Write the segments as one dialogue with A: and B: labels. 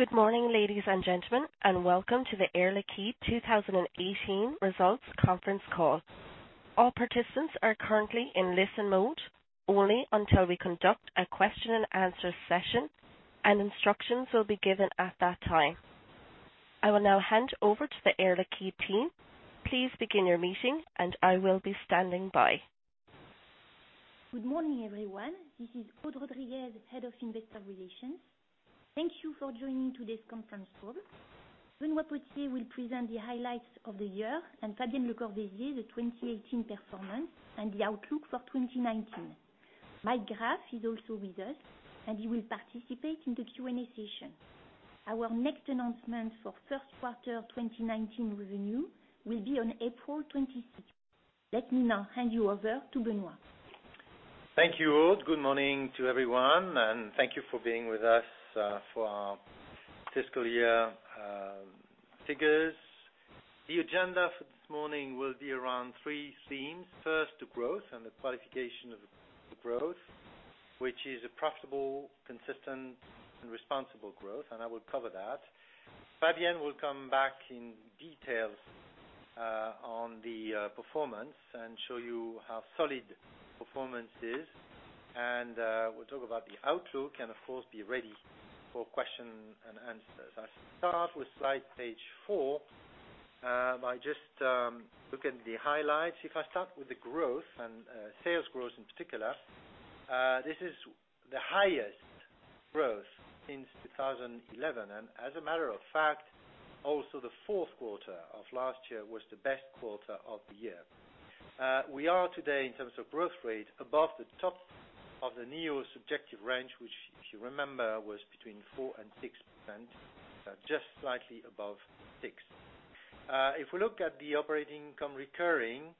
A: Good morning, ladies and gentlemen, and welcome to the Air Liquide 2018 results conference call. All participants are currently in listen mode only until we conduct a question and answer session, and instructions will be given at that time. I will now hand over to the Air Liquide team. Please begin your meeting and I will be standing by.
B: Good morning, everyone. This is Aude Rodriguez, Head of Investor Relations. Thank you for joining today's conference call. Benoit Potier will present the highlights of the year and Fabienne Le Corvezier, the 2018 performance and the outlook for 2019. Mike Graff is also with us and he will participate in the Q&A session. Our next announcement for Q1 2019 revenue will be on April 26th. Let me now hand you over to Benoit.
C: Thank you, Aude. Good morning to everyone, and thank you for being with us for our fiscal year figures. The agenda for this morning will be around three themes. First, the growth and the qualification of the growth, which is a profitable, consistent, and responsible growth. I will cover that. Fabienne will come back in details on the performance and show you how solid performance is. We'll talk about the outlook and of course, be ready for question and answers. I start with slide page four by just looking at the highlights. If I start with the growth and sales growth in particular, this is the highest growth since 2011. As a matter of fact, also the q4 of last year was the best quarter of the year. We are today, in terms of growth rate, above the top of the NEOS objective range, which, if you remember, was between four percent-six percent, just slightly above six percent. If we look at the operating income recurring,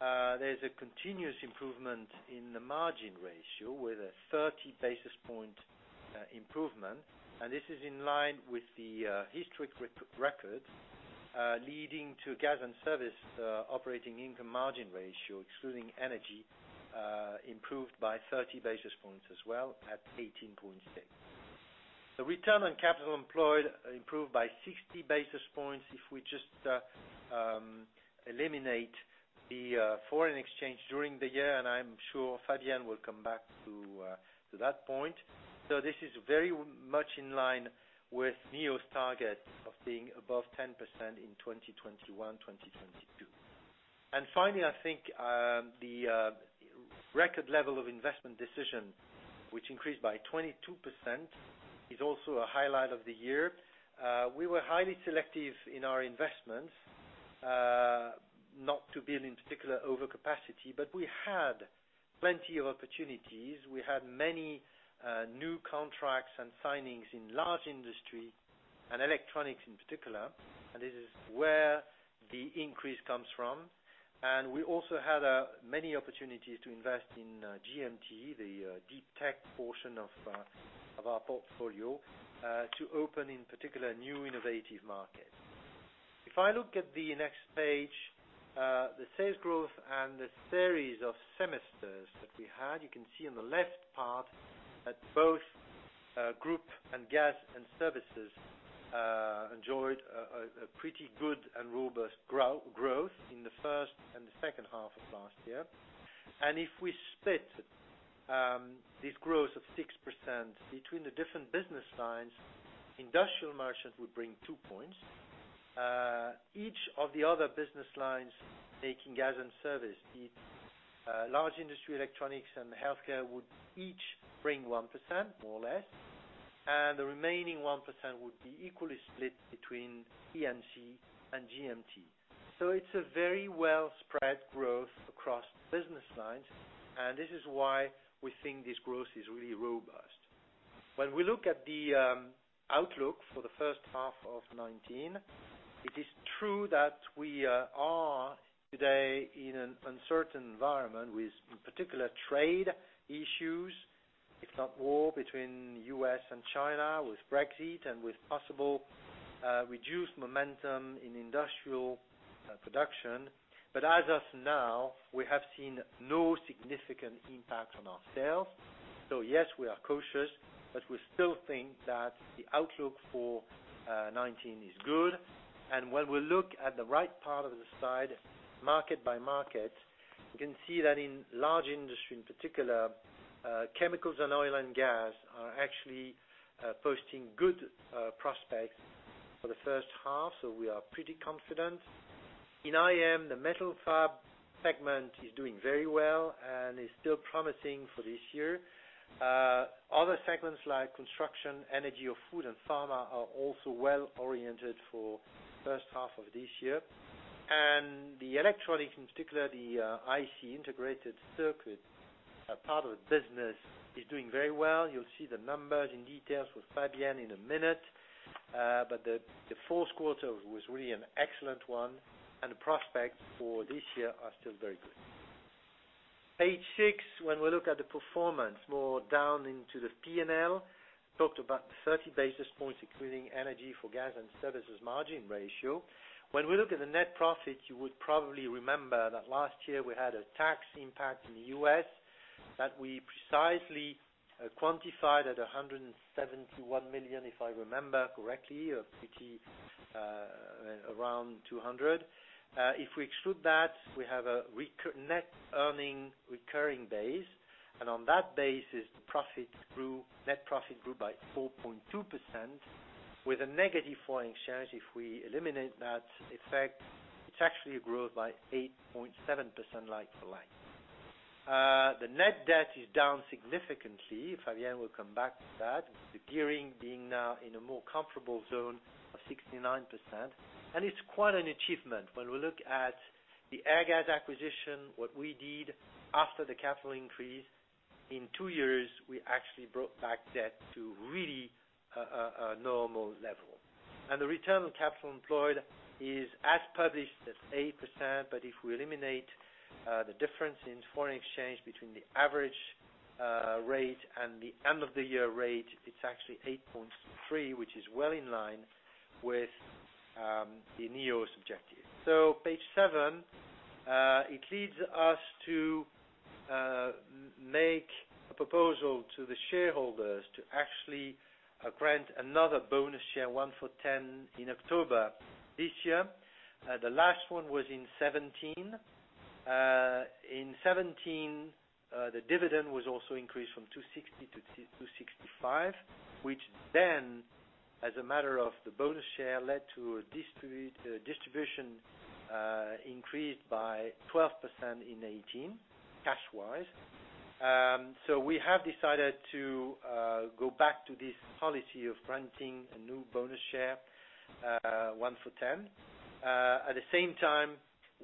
C: there's a continuous improvement in the margin ratio with a 30 basis point improvement. This is in line with the historic record leading to gas and service operating income margin ratio, excluding energy, improved by 30 basis points as well at 18.6. The return on capital employed improved by 60 basis points if we just eliminate the foreign exchange during the year, and I'm sure Fabienne will come back to that point. This is very much in line with NEOS's target of being above 10% in 2021, 2022. Finally, I think the record level of investment decision, which increased by 22%, is also a highlight of the year. We were highly selective in our investments, not to build in particular overcapacity, but we had plenty of opportunities. We had many new contracts and signings in Large Industry and Electronics in particular, and this is where the increase comes from. We also had many opportunities to invest in GM&T, the deep tech portion of our portfolio, to open, in particular, new innovative markets. If I look at the next page, the sales growth, and the series of semesters that we had, you can see on the left part that both group and Gas & Services enjoyed a pretty good and robust growth in the first and the second half of last year. If we split this growth of six percent between the different business lines, Industrial Merchant would bring two points. Each of the other business lines making Gas & Services, Large Industry, Electronics and Healthcare would each bring one percent, more or less, and the remaining one percent would be equally split between E&C and GM&T. It's a very well spread growth across business lines, and this is why we think this growth is really robust. When we look at the outlook for the first half of 2019, it is true that we are today in an uncertain environment with particular trade issues, if not war between U.S. and China, with Brexit, and with possible reduced momentum in industrial production. As of now, we have seen no significant impact on our sales. Yes, we are cautious, but we still think that the outlook for 2019 is good. When we look at the right part of the slide, market by market, you can see that in Large Industry, in particular, chemicals and oil and gas are actually posting good prospects for the first half. We are pretty confident. In IM, the metal fab segment is doing very well and is still promising for this year. Other segments like construction, energy or food and pharma are also well-oriented for the first half of this year. The Electronics in particular, the IC integrated circuit part of the business is doing very well. You'll see the numbers in details with Fabienne in a minute. The Q4 was really an excellent one, and the prospects for this year are still very good. Page six, when we look at the performance more down into the P&L, talked about the 30 basis points, including energy for Gas & Services margin ratio. When we look at the net profit, you would probably remember that last year we had a tax impact in the U.S. That we precisely quantified at 171 million, if I remember correctly, or pretty around 200 million. If we exclude that, we have a net earning recurring base, on that base is the net profit grew by 4.2% with a negative foreign exchange. If we eliminate that effect, it's actually a growth by 8.7% like for like. The net debt is down significantly. Fabienne will come back to that. The gearing being now in a more comfortable zone of 69%, it's quite an achievement. When we look at the Airgas acquisition, what we did after the capital increase. The return on capital employed is as published at eight percent, but if we eliminate the difference in foreign exchange between the average rate and the end of the year rate, it's actually 8.3, which is well in line with the NEOS objective. Page seven, it leads us to make a proposal to the shareholders to actually grant another bonus share one for 10 in October this year. The last one was in 2017. In 2017, the dividend was also increased from 2.60 to 2.65, which then, as a matter of the bonus share, led to a distribution increase by 12% in 2018 cash wise. We have decided to go back to this policy of granting a new bonus share, one for 10. At the same time,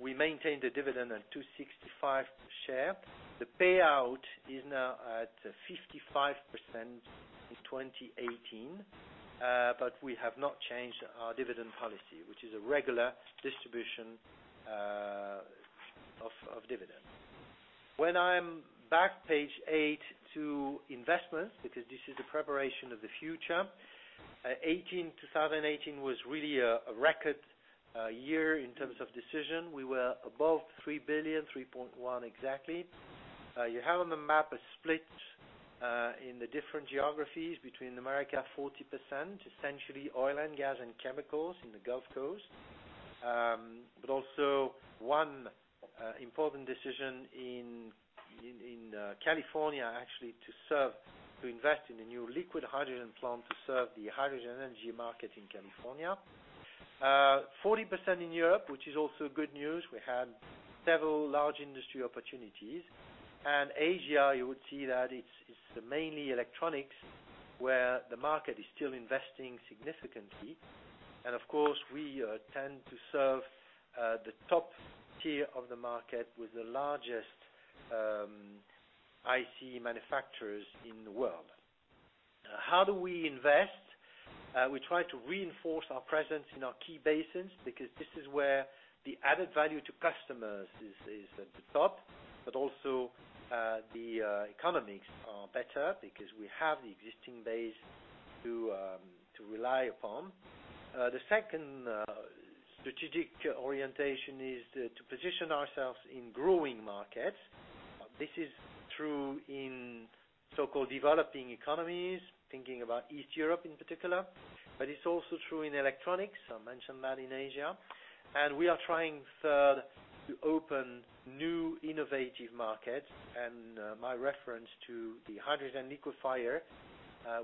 C: we maintain the dividend at 2.65 per share. The payout is now at 55% in 2018. We have not changed our dividend policy, which is a regular distribution of dividend. When I'm back, page eight, to investments, because this is the preparation of the future. 2018 was really a record year in terms of decision. We were above 3 billion, 3.1 billion exactly. You have on the map a split in the different geographies between America, 40%, essentially oil and gas and chemicals in the Gulf Coast. Also one important decision in California actually to invest in a new liquid hydrogen plant to serve the hydrogen energy market in California. 40% in Europe, which is also good news. We had several large industry opportunities. Asia, you would see that it's mainly electronics where the market is still investing significantly. Of course, we tend to serve the top tier of the market with the largest IC manufacturers in the world. How do we invest? We try to reinforce our presence in our key basins because this is where the added value to customers is at the top, but also the economics are better because we have the existing base to rely upon. The second strategic orientation is to position ourselves in growing markets. This is true in so-called developing economies, thinking about East Europe in particular, but it's also true in electronics. I mentioned that in Asia. We are trying third, to open new innovative markets. My reference to the hydrogen liquefier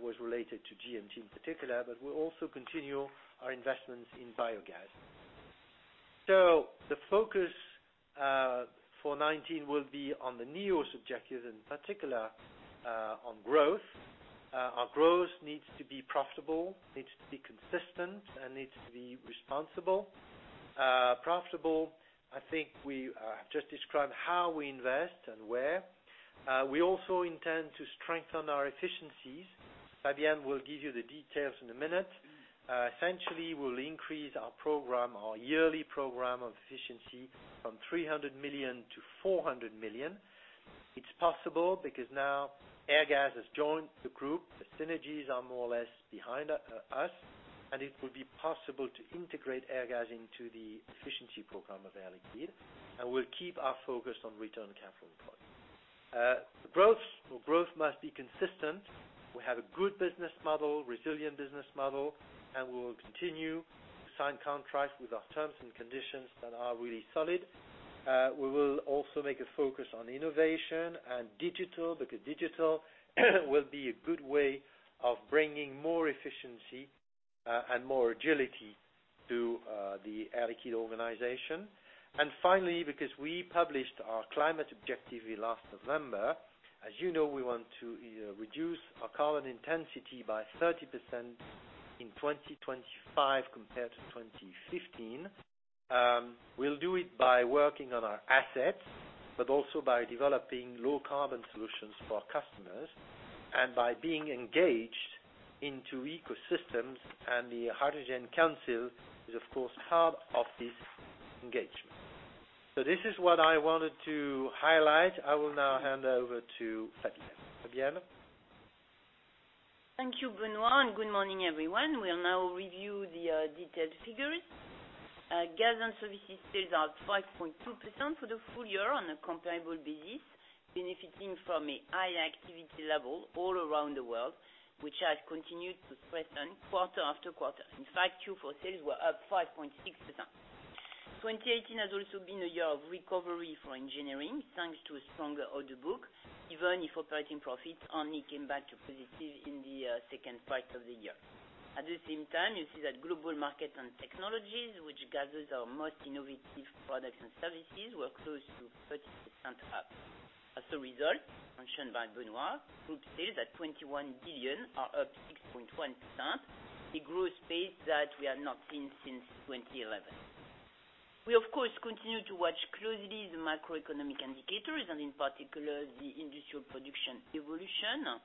C: was related to GM&T in particular, but we'll also continue our investments in biogas. The focus for 2019 will be on the NEOS objectives, in particular on growth. Our growth needs to be profitable, needs to be consistent, and needs to be responsible. Profitable, I think we have just described how we invest and where. We also intend to strengthen our efficiencies. Fabienne will give you the details in a minute. Essentially, we'll increase our yearly program of efficiency from 300 million - 400 million. It's possible because now Airgas has joined the group. The synergies are more or less behind us, and it will be possible to integrate Airgas into the efficiency program of Air Liquide, and we'll keep our focus on return on capital employed. The growth. Growth must be consistent. We have a good business model, resilient business model, and we will continue to sign contracts with our terms and conditions that are really solid. We will also make a focus on innovation and digital, because digital will be a good way of bringing more efficiency and more agility to the Air Liquide organization. Finally, because we published our climate objective last November, as you know we want to reduce our carbon intensity by 30% in 2025 compared to 2015. We'll do it by working on our assets, but also by developing low carbon solutions for our customers and by being engaged into ecosystems, and the Hydrogen Council is of course hub of this engagement. This is what I wanted to highlight. I will now hand over to Fabienne. Fabienne?
D: Thank you, Benoît, and good morning, everyone. We'll now review the detailed figures. Gas and services sales are 5.2% for the full year on a comparable basis, benefiting from a high activity level all around the world, which has continued to strengthen quarter after quarter. In fact, Q4 sales were up 5.6%. 2018 has also been a year of recovery for engineering, thanks to a stronger order book, even if operating profits only came back to positive in the second part of the year. At the same time, you see that Global Markets & Technologies, which gathers our most innovative products and services, were close to 30% up. As a result, mentioned by Benoît, group sales at 21 billion are up 6.1%, a growth pace that we have not seen since 2011. We, of course, continue to watch closely the macroeconomic indicators and, in particular, the industrial production evolution.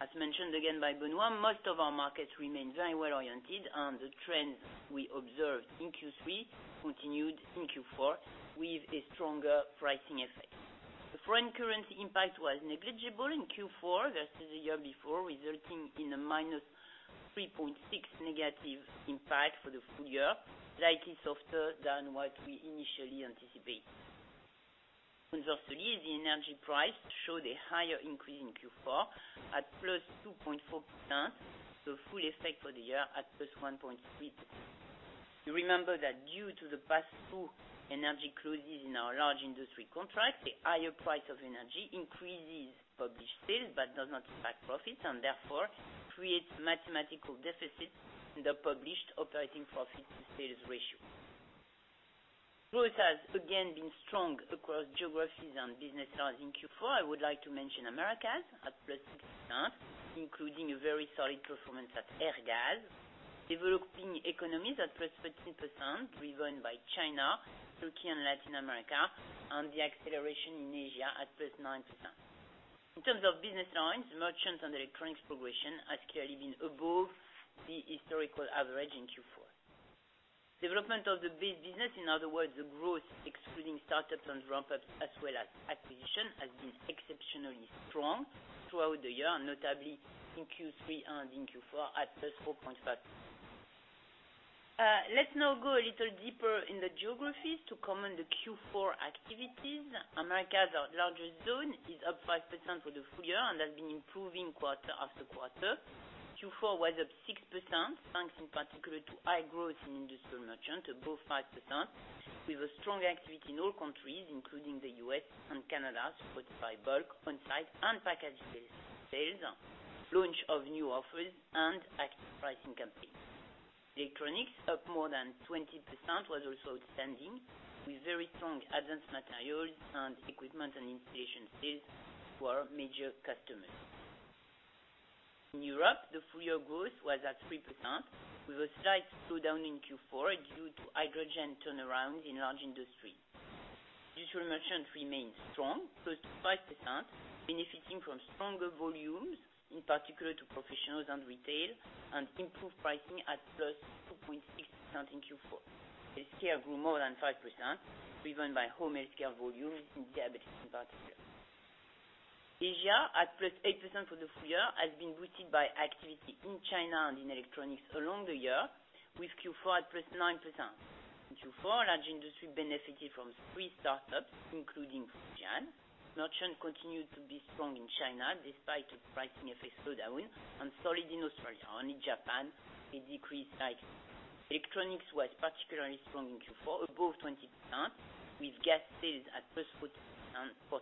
D: As mentioned again by Benoît, most of our markets remain very well oriented, and the trends we observed in Q3 continued in Q4 with a stronger pricing effect. The foreign currency impact was negligible in Q4 versus the year before, resulting in a -3.6% negative impact for the full year, slightly softer than what we initially anticipated. Conversely, the energy price showed a higher increase in Q4 at +2.4%, full effect for the year at +1.6%. You remember that due to the pass-through energy clauses in our large industry contracts, the higher price of energy increases published sales but does not impact profits, and therefore, creates mathematical deficits in the published operating profit to sales ratio. Growth has again been strong across geographies and business lines in Q4. I would like to mention Americas at +six percent, including a very solid performance at Airgas, developing economies at +13%, driven by China, Turkey, and Latin America, and the acceleration in Asia at +nine percent. In terms of business lines, Merchants and Electronics progression has clearly been above the historical average in Q4. Development of the base business, in other words, the growth excluding startups and ramp-ups as well as acquisition, has been exceptionally strong throughout the year, notably in Q3 and in Q4 at +4.5%. Let's now go a little deeper in the geographies to comment the Q4 activities. Americas, our largest zone, is up five percent for the full year and has been improving quarter after quarter. Q4 was up 6%, thanks in particular to high growth in Industrial Merchant, above five percent, with a strong activity in all countries, including the U.S. and Canada, supported by bulk, on-site, and packaged sales, launch of new offers, and active pricing campaigns. Electronics, up more than 20%, was also outstanding, with very strong advanced materials and equipment and installation sales to our major customers. In Europe, the full year growth was at three percent, with a slight slowdown in Q4 due to hydrogen turnaround in Large Industry. Industrial Merchant remained strong, close to five percent, benefiting from stronger volumes, in particular to professionals and retail, and improved pricing at +2.6% in Q4. Healthcare grew more than five percent, driven by home healthcare volumes in diabetes in particular. Asia, at +eight percent for the full year, has been boosted by activity in China and in Electronics along the year, with Q4 at +nine percent. In Q4, Large Industry benefited from three startups, including Fujian. Merchant continued to be strong in China despite a pricing effect slowdown, and solid in Australia. Only Japan, a decrease. Electronics was particularly strong in Q4, above 20%, with gas sales at +14%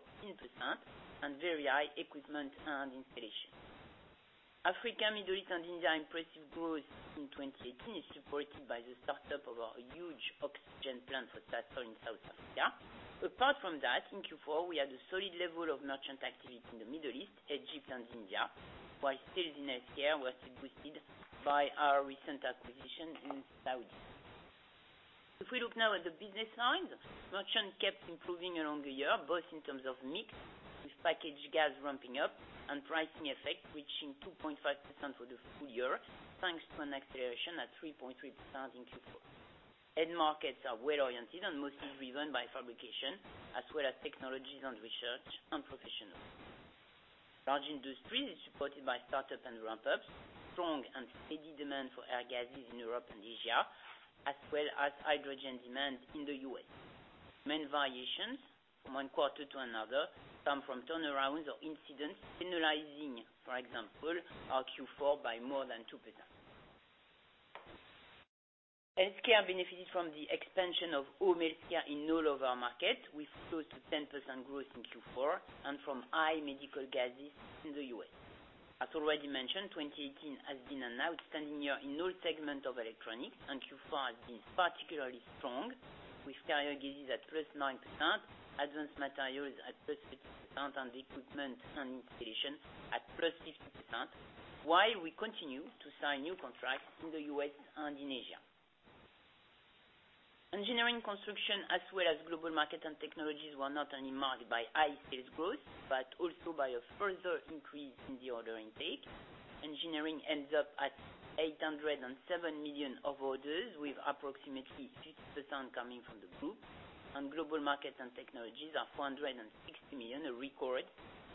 D: and very high equipment and installation. Africa, Middle East, and India impressive growth in 2018 is supported by the startup of our huge oxygen plant for Sasol in South Africa. Apart from that, in Q4, we had a solid level of Merchant activity in the Middle East, Egypt, and India, while sales in Healthcare were still boosted by our recent acquisition in Saudi. If we look now at the business lines, Merchant kept improving along the year, both in terms of mix with packaged gas ramping up and pricing effect, reaching 2.5% for the full year, thanks to an acceleration at 3.3% in Q4. End markets are well-oriented and mostly driven by fabrication as well as technologies and research and professional. Large Industry is supported by startup and ramp-ups, strong and steady demand for air gases in Europe and Asia, as well as hydrogen demand in the U.S. Main variations from one quarter to another come from turnarounds or incidents, penalizing, for example, our Q4 by more than two percent. Healthcare benefited from the expansion of home healthcare in all of our markets, with close to 10% growth in Q4, and from high medical gases in the U.S. As already mentioned, 2018 has been an outstanding year in all segments of Electronics, and Q4 has been particularly strong with carrier gases at +nine percent, advanced materials at +50%, and equipment and installation at +50%, while we continue to sign new contracts in the U.S. and in Asia. Engineering Construction as well as Global Markets and Technologies were not only marked by high sales growth, but also by a further increase in the order intake. Engineering ends up at 807 million of orders, with approximately 50% coming from the group, and Global Markets and Technologies are 460 million, a record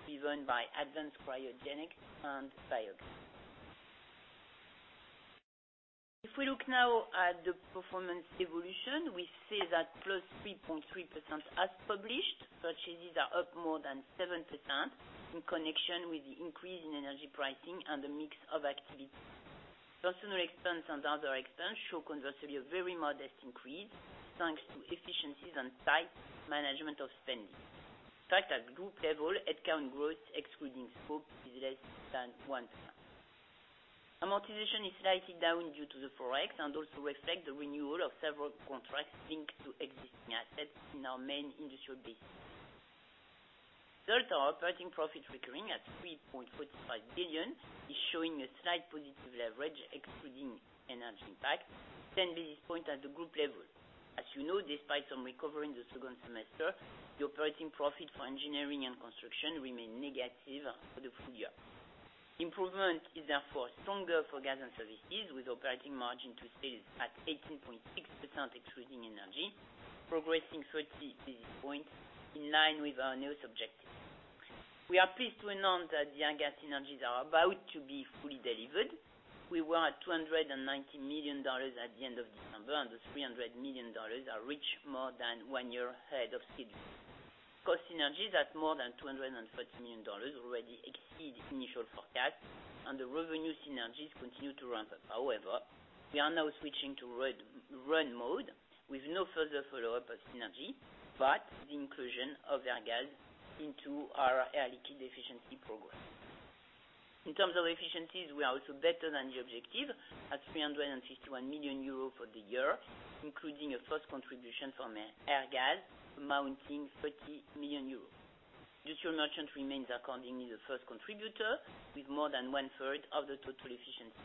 D: driven by advanced cryogenic and biogas. If we look now at the performance evolution, we see that +3.3% as published, purchases are up more than seven percent, in connection with the increase in energy pricing and the mix of activities. Personal expense and other expense show conversely a very modest increase, thanks to efficiencies and tight management of spending. Group level headcount growth, excluding scope, is less than 1%. Amortization is slightly down due to the ForEx, and also reflects the renewal of several contracts linked to existing assets in our main industrial bases. Third, our operating profit recurring at 3.45 billion, is showing a slight positive leverage, excluding energy impact, 10 basis points at the group level. As you know, despite some recovery in the second semester, the operating profit for Engineering & Construction remain negative for the full year. Improvement is therefore stronger for gas and services, with operating margin to sales at 18.6% excluding energy, progressing 30 basis points in line with our new objectives. We are pleased to announce that the Airgas synergies are about to be fully delivered. We were at $290 million at the end of December, and the $300 million are reached more than one year ahead of schedule. Cost synergies at more than $230 million already exceed initial forecast, and the revenue synergies continue to ramp up. However, we are now switching to run mode, with no further follow-up of synergy, but the inclusion of Airgas into our Air Liquide efficiency program. In terms of efficiencies, we are also better than the objective, at 351 million euros for the year, including a first contribution from Airgas amounting 30 million euros. Industrial Merchant remains accordingly the first contributor, with more than one third of the total efficiency.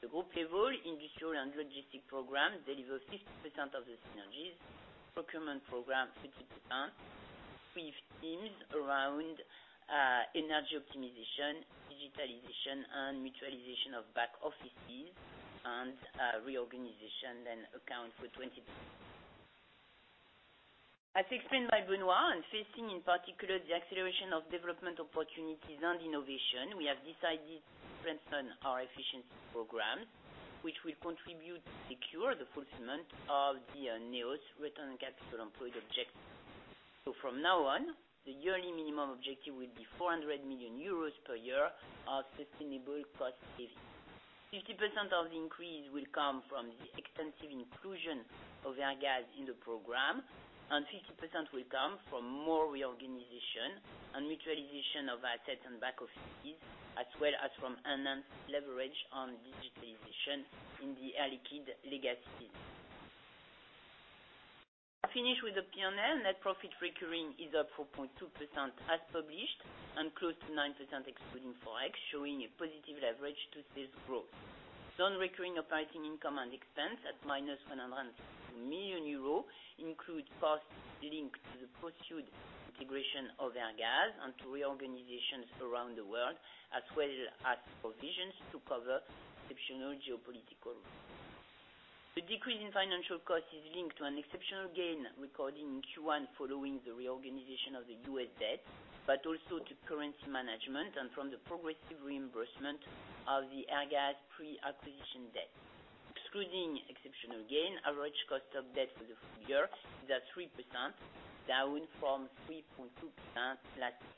D: The group level, industrial and logistic program deliver 50% of the synergies, procurement program 30%, with themes around energy optimization, digitalization, and mutualization of back offices and reorganization, then account for 20%. As explained by Benoît, and facing in particular the acceleration of development opportunities and innovation, we have decided to strengthen our efficiency program, which will contribute to secure the fulfillment of the new return on capital employed objective. From now on, the yearly minimum objective will be 400 million euros per year of sustainable cost saving. 50% of the increase will come from the extensive inclusion of Airgas in the program, and 50% will come from more reorganization and mutualization of our assets and back offices, as well as from enhanced leverage on digitalization in the Air Liquide legacy. I finish with the P&L. Net profit recurring is up 4.2% as published, and close to nine percent excluding ForEx, showing a positive leverage to sales growth. Non-recurring operating income and expense at minus 102 million euro includes costs linked to the pursued integration of Airgas and to reorganizations around the world, as well as provisions to cover exceptional geopolitical risks. The decrease in financial cost is linked to an exceptional gain recorded in Q1 following the reorganization of the U.S. debt, but also to currency management and from the progressive reimbursement of the Airgas pre-acquisition debt. Excluding exceptional gain, average cost of debt for the full year is at three percent, down from 3.2% last year.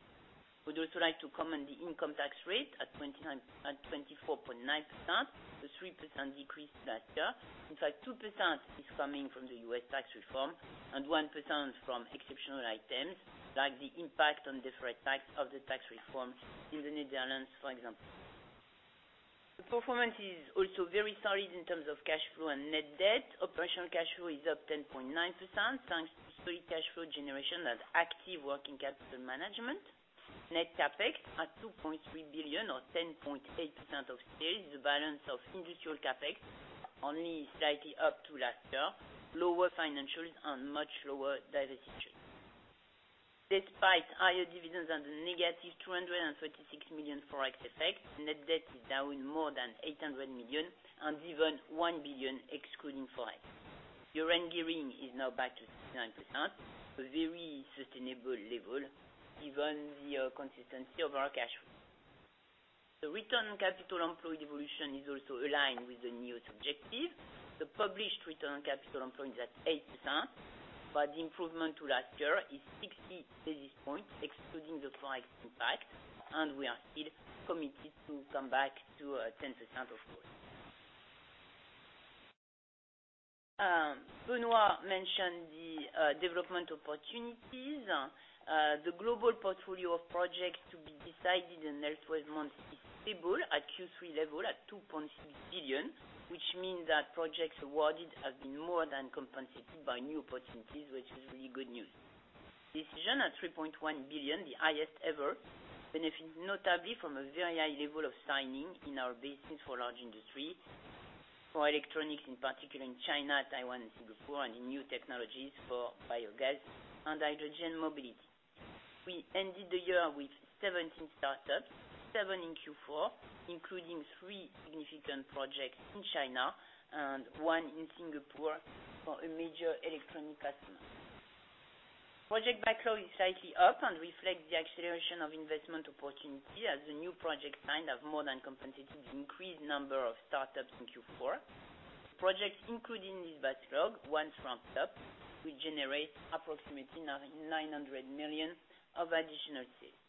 D: We'd also like to comment the income tax rate at 24.9%, a three percent decrease last year. In fact, two percent is coming from the U.S. tax reform, and one percent from exceptional items, like the impact on deferred tax of the tax reform in the Netherlands, for example. The performance is also very solid in terms of cash flow and net debt. Operational cash flow is up 10.9%, thanks to solid cash flow generation and active working capital management. Net CapEx at 2.3 billion or 10.8% of sales, the balance of industrial CapEx only slightly up to last year, lower financials and much lower divestitures. Despite higher dividends and a negative 236 million ForEx effect, net debt is down more than 800 million, and even 1 billion excluding ForEx. Your gearing is now back to 69%, a very sustainable level given the consistency of our cash flow. The return on capital employed evolution is also aligned with the new objective. The published return on capital employed is at eight percent, but the improvement to last year is 60 basis points excluding the ForEx impact, and we are still committed to come back to 10% of course. Benoît mentioned the development opportunities. The global portfolio of projects to be decided in the next 12 months is stable at Q3 level at 2.6 billion, which means that projects awarded have been more than compensated by new opportunities, which is really good news. Decision at 3.1 billion, the highest ever, benefit notably from a very high level of signing in our bases for large industry, for electronics in particular in China, Taiwan, and Singapore, and in new technologies for biogas and hydrogen mobility. We ended the year with 17 startups, seven in Q4, including three significant projects in China and one in Singapore for a major electronic customer. Project backlog is slightly up and reflects the acceleration of investment opportunity as the new projects signed have more than compensated the increased number of startups in Q4. Projects included in this backlog, once ramped up, will generate approximately 900 million of additional sales.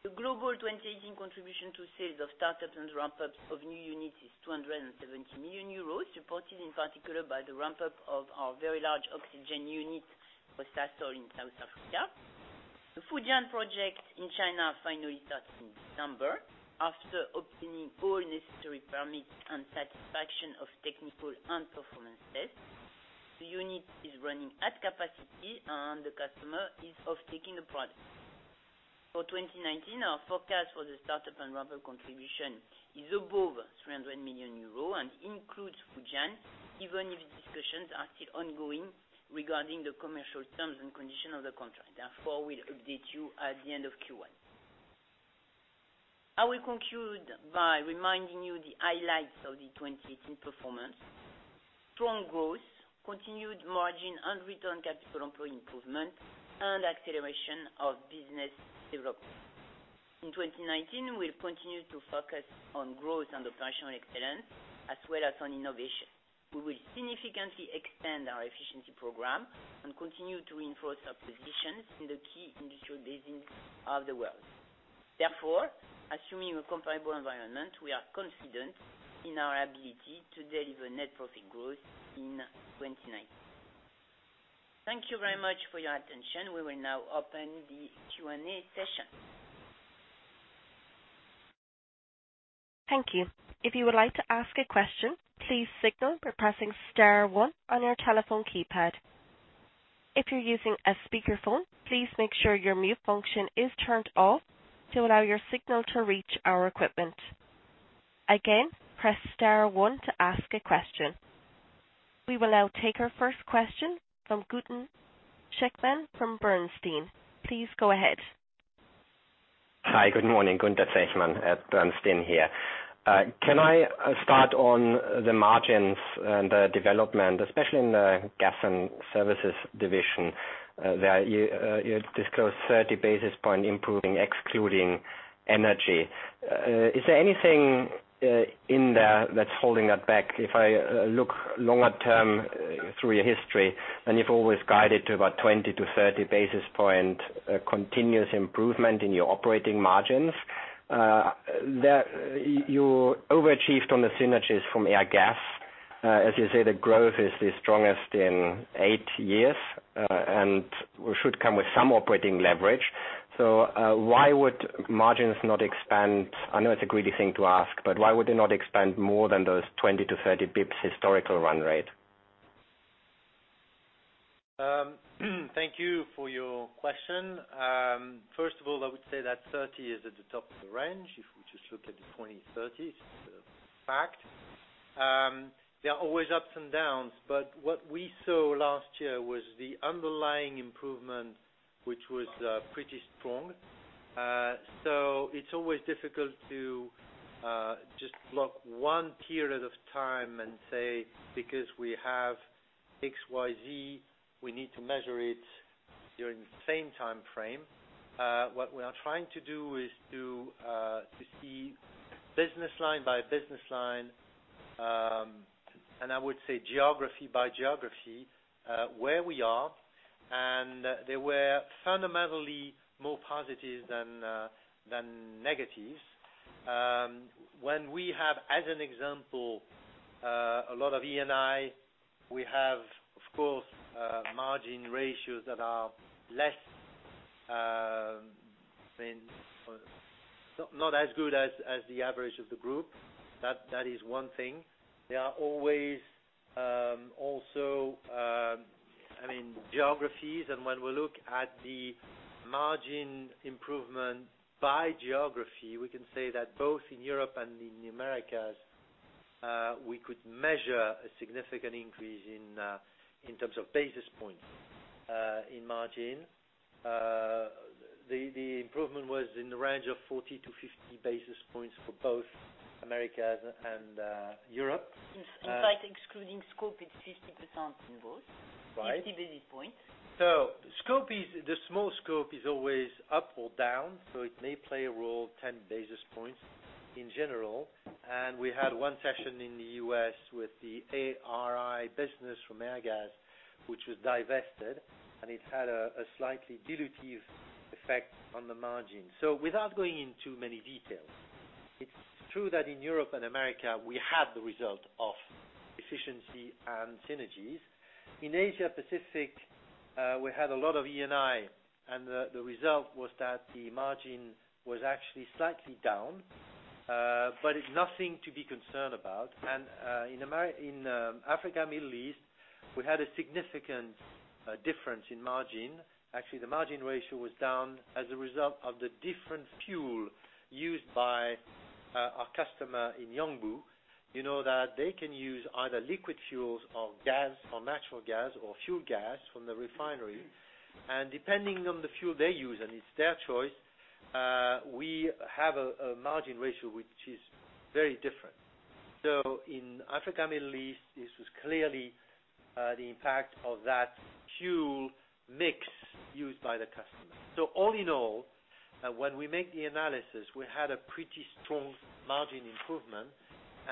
D: The global 2018 contribution to sales of startup and ramp-ups of new units is 270 million euros, supported in particular by the ramp-up of our very large oxygen unit for Sasol in South Africa. The Fujian project in China finally starts in December after obtaining all necessary permits and satisfaction of technical and performance tests. The unit is running at capacity, and the customer is off-taking the product. For 2019, our forecast for the startup and ramp-up contribution is above 300 million euros and includes Fujian, even if discussions are still ongoing regarding the commercial terms and conditions of the contract. Therefore, we'll update you at the end of Q1. I will conclude by reminding you the highlights of the 2018 performance. Strong growth, continued margin and return on capital employed improvement, and acceleration of business development. In 2019, we'll continue to focus on growth and operational excellence, as well as on innovation. We will significantly extend our efficiency program and continue to reinforce our positions in the key industrial basins of the world. Therefore, assuming a comparable environment, we are confident in our ability to deliver net profit growth in 2019. Thank you very much for your attention. We will now open the Q&A session.
A: Thank you. If you would like to ask a question, please signal by pressing star one on your telephone keypad. If you are using a speakerphone, please make sure your mute function is turned off to allow your signal to reach our equipment. Again, press star one to ask a question. We will now take our first question from Gunther Zechmann from Bernstein. Please go ahead.
E: Hi. Good morning. Gunther Zechmann at Bernstein here. Can I start on the margins and the development, especially in the gas and services division, where you disclosed 30 basis points improving, excluding energy. Is there anything in there that is holding that back? If I look longer term through your history, you have always guided to about 20 - 30 basis points continuous improvement in your operating margins, you overachieved on the synergies from Airgas. As you say, the growth is the strongest in eight years, should come with some operating leverage. Why would margins not expand? I know it is a greedy thing to ask, but why would they not expand more than those 20 - 30 basis points historical run rate?
C: Thank you for your question. First of all, I would say that 30 is at the top of the range. If we just look at the 2030, it is a fact. There are always ups and downs, but what we saw last year was the underlying improvement, which was pretty strong. It is always difficult to just block one period of time and say, because we have XYZ, we need to measure it during the same time frame. What we are trying to do is to see business line by business line, I would say geography by geography, where we are, they were fundamentally more positive than negatives. When we have, as an example, a lot of E&I, we have, of course, margin ratios that are not as good as the average of the group. That is one thing. There are always also geographies. When we look at the margin improvement by geography, we can say that both in Europe and in the Americas, we could measure a significant increase in terms of basis points in margin. The improvement was in the range of 40 - 50 basis points for both Americas and Europe.
D: In fact, excluding scope, it's 50% in both.
C: Right.
D: 50 basis points.
C: The small scope is always up or down, so it may play a role 10 basis points in general. We had one session in the U.S. with the ARI business from Airgas, which was divested, and it had a slightly dilutive effect on the margin. Without going into many details, it's true that in Europe and America, we had the result of efficiency and synergies. In Asia Pacific, we had a lot of E&I, and the result was that the margin was actually slightly down, but it's nothing to be concerned about. In Africa, Middle East, we had a significant difference in margin. Actually, the margin ratio was down as a result of the different fuel used by our customer in Yanbu. You know that they can use either liquid fuels or gas or natural gas or fuel gas from the refinery. Depending on the fuel they use, and it's their choice, we have a margin ratio which is very different. So in Africa, Middle East, this was clearly the impact of that fuel mix used by the customer. All in all, when we make the analysis, we had a pretty strong margin improvement,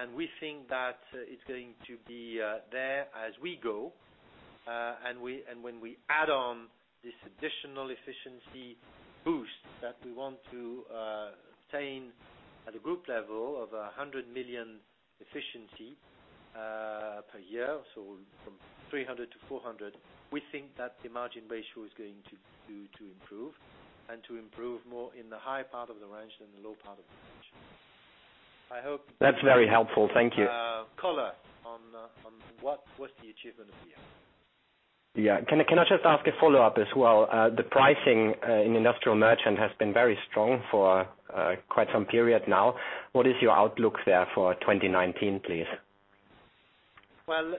C: and we think that it's going to be there as we go. When we add on this additional efficiency boost that we want to obtain at a group level of 100 million efficiency per year, so from 300 - 400, we think that the margin ratio is going to improve, and to improve more in the high part of the range than the low part of the range. I hope.
E: That's very helpful. Thank you
C: color on what's the achievement of the year.
E: Yeah. Can I just ask a follow-up as well? The pricing in Industrial Merchant has been very strong for quite some period now. What is your outlook there for 2019, please?
C: Well,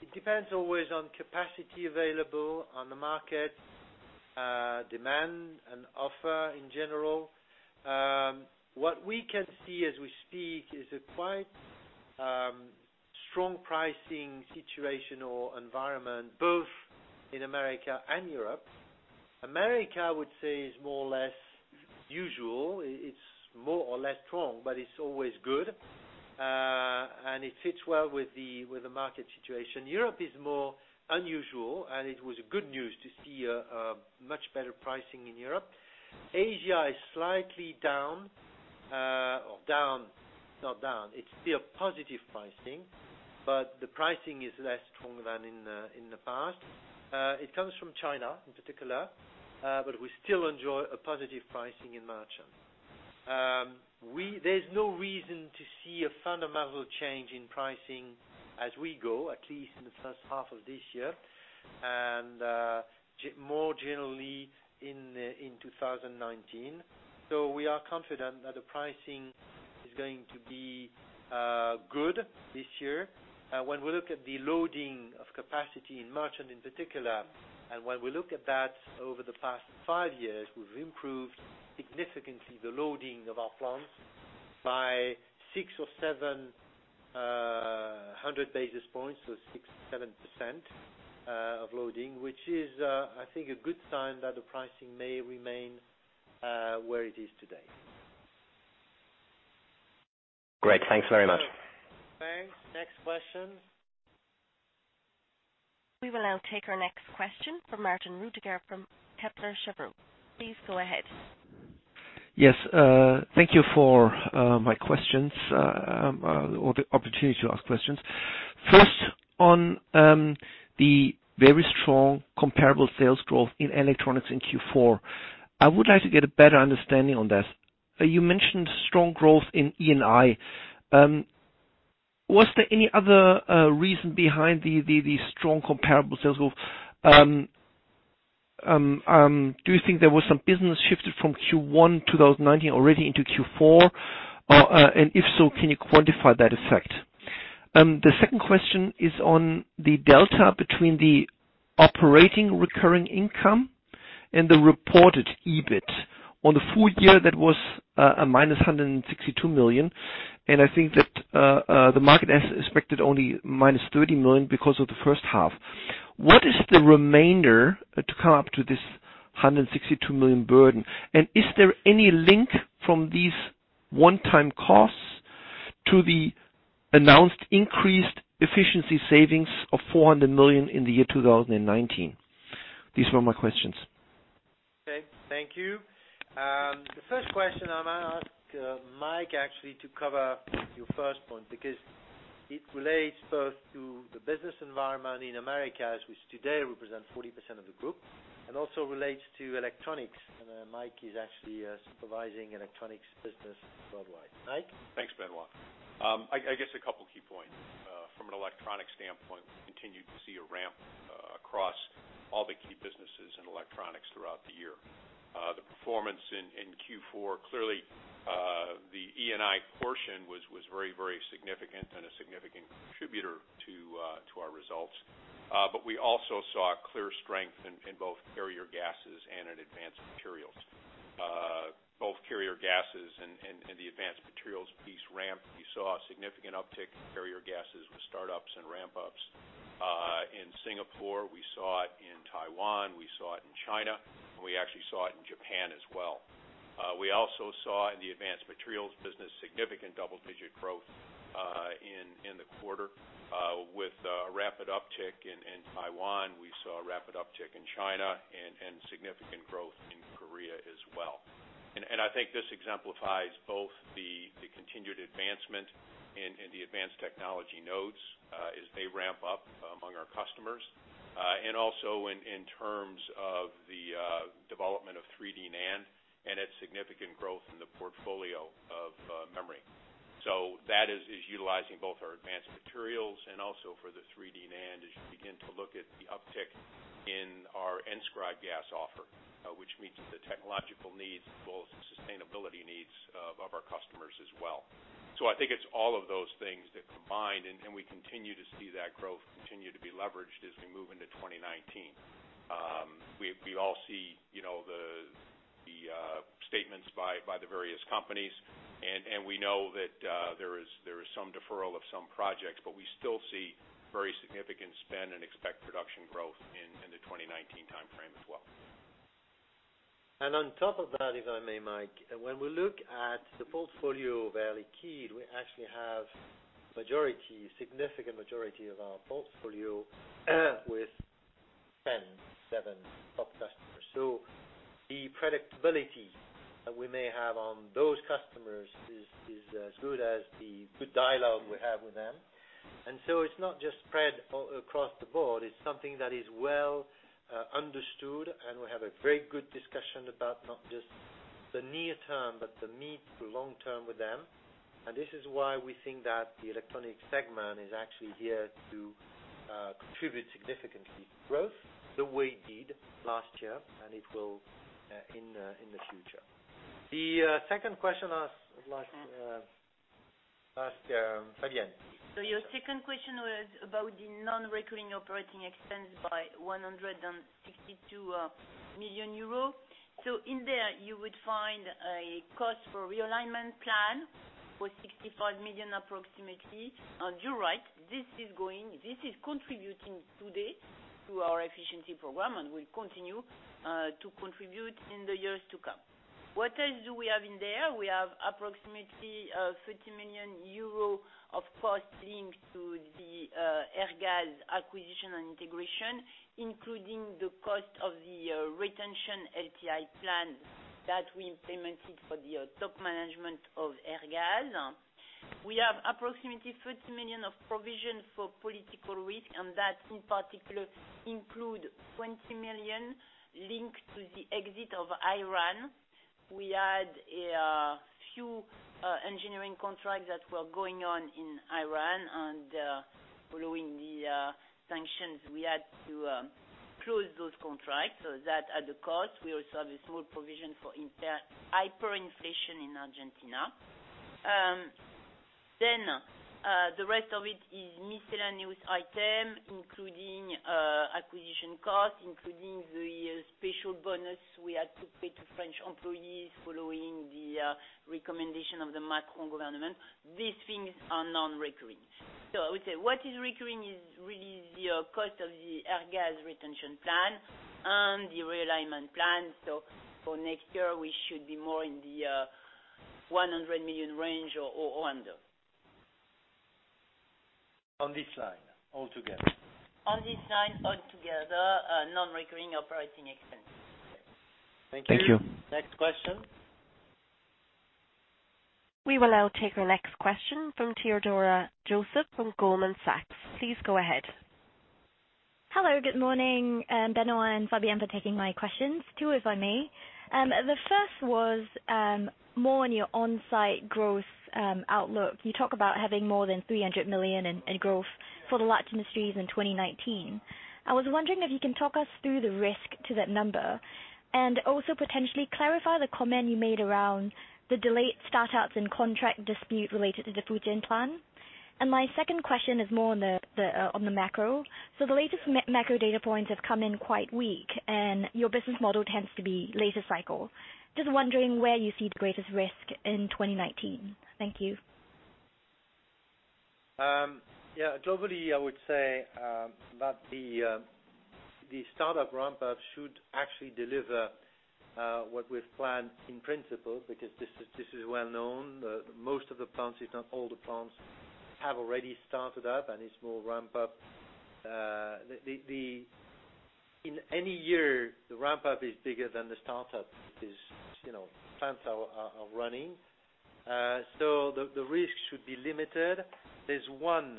C: it depends always on capacity available on the market, demand, and offer in general. What we can see as we speak is a quite strong pricing situation or environment both in America and Europe. America, I would say is more or less usual. It's more or less strong, but it's always good. It fits well with the market situation. Europe is more unusual, it was good news to see a much better pricing in Europe. Asia is slightly down. Not down. It's still positive pricing, but the pricing is less strong than in the past. It comes from China in particular, but we still enjoy a positive pricing in merchant. There's no reason to see a fundamental change in pricing as we go, at least in the first half of this year, and more generally in 2019. We are confident that the pricing is going to be good this year. When we look at the loading of capacity in merchant in particular, and when we look at that over the past 5 years, we've improved significantly the loading of our plants by 600 or 700 basis points. six percent or seven percent of loading, which is, I think, a good sign that the pricing may remain where it is today.
E: Great. Thanks very much.
C: Okay. Next question.
A: We will now take our next question from Martin Rüttger from Kepler Cheuvreux. Please go ahead.
F: Yes. Thank you for the opportunity to ask questions. First, on the very strong comparable sales growth in electronics in Q4. I would like to get a better understanding on that. You mentioned strong growth in E&I. Was there any other reason behind the strong comparable sales growth? Do you think there was some business shifted from Q1 2019 already into Q4? If so, can you quantify that effect? The second question is on the delta between the operating recurring income and the reported EBIT. On the full year, that was a -162 million. I think that the market has expected only -30 million because of the first half. What is the remainder to come up to this 162 million burden? Is there any link from these one-time costs to the announced increased efficiency savings of 400 million in the year 2019? These were my questions.
C: Okay. Thank you. The first question, I might ask Mike actually to cover your first point, because it relates both to the business environment in Americas, which today represents 40% of the group, also relates to electronics. Mike is actually supervising electronics business worldwide. Mike?
G: Thanks, Benoît. I guess a couple key points. From an electronic standpoint, we continued to see a ramp across all the key businesses in electronics throughout the year. The performance in Q4, clearly, the E&I portion was very significant and a significant contributor to our results. We also saw a clear strength in both carrier gases and in advanced materials. Both carrier gases and the advanced materials piece ramp. We saw a significant uptick in carrier gases with startups and ramp-ups in Singapore. We saw it in Taiwan, we saw it in China. We actually saw it in Japan as well. We also saw in the advanced materials business significant double-digit growth in the quarter with a rapid uptick in Taiwan. We saw a rapid uptick in China, significant growth in Korea as well. I think this exemplifies both the continued advancement in the advanced technology nodes as they ramp up among our customers. Also in terms of the development of 3D NAND and its significant growth in the portfolio of memory. That is utilizing both our advanced materials and also for the 3D NAND as you begin to look at the uptick in our N scribe gas offer, which meets the technological needs as well as the sustainability needs of our customers as well. I think it's all of those things that combined. We continue to see that growth continue to be leveraged as we move into 2019. We all see the statements by the various companies. We know that there is some deferral of some projects, but we still see very significant spend and expect production growth in the 2019 timeframe as well.
C: On top of that, if I may, Mike, when we look at the portfolio of Air Liquide, we actually have significant majority of our portfolio with 10, seven top customers. The predictability that we may have on those customers is as good as the good dialogue we have with them. It's not just spread across the board. It's something that is well understood, and we have a very good discussion about not just the near term, but the mid to long term with them. This is why we think that the electronic segment is actually here to contribute significantly to growth the way it did last year, and it will in the future. The second question asked last year, Fabienne.
D: Your second question was about the non-recurring operating expense by 162 million euros. In there, you would find a cost for realignment plan for 65 million approximately. You're right, this is contributing today to our efficiency program and will continue to contribute in the years to come. What else do we have in there? We have approximately 30 million euro of cost linked to the Airgas acquisition and integration, including the cost of the retention LTI plan that we implemented for the top management of Airgas. We have approximately 30 million of provision for political risk, and that in particular include 20 million linked to the exit of Iran. We had a few engineering contracts that were going on in Iran, following the sanctions, we had to close those contracts, that had a cost. We also have a small provision for hyperinflation in Argentina. The rest of it is miscellaneous item, including acquisition cost, including the special bonus we had to pay to French employees following the recommendation of the Macron government. These things are non-recurring. I would say what is recurring is really the cost of the Airgas retention plan and the realignment plan. For next year, we should be more in the 100 million range or under.
C: On this line, all together.
D: On this line all together, non-recurring operating expenses.
F: Thank you. Thank you. Next question.
A: We will now take our next question from Theodora Joseph from Goldman Sachs. Please go ahead.
H: Hello. Good morning, Benoît and Fabienne, for taking my questions. Two, if I may. The first was more on your onsite growth outlook. You talk about having more than 300 million in growth for the large industries in 2019. I was wondering if you can talk us through the risk to that number, and also potentially clarify the comment you made around the delayed startups and contract dispute related to the Fujian plant. My second question is more on the macro. The latest macro data points have come in quite weak, and your business model tends to be later cycle. Just wondering where you see the greatest risk in 2019. Thank you.
C: Globally, I would say that the startup ramp-up should actually deliver what we've planned in principle, because this is well known. Most of the plants, if not all the plants, have already started up, and a small ramp up. In any year, the ramp-up is bigger than the startup. Plants are running. The risk should be limited. There's one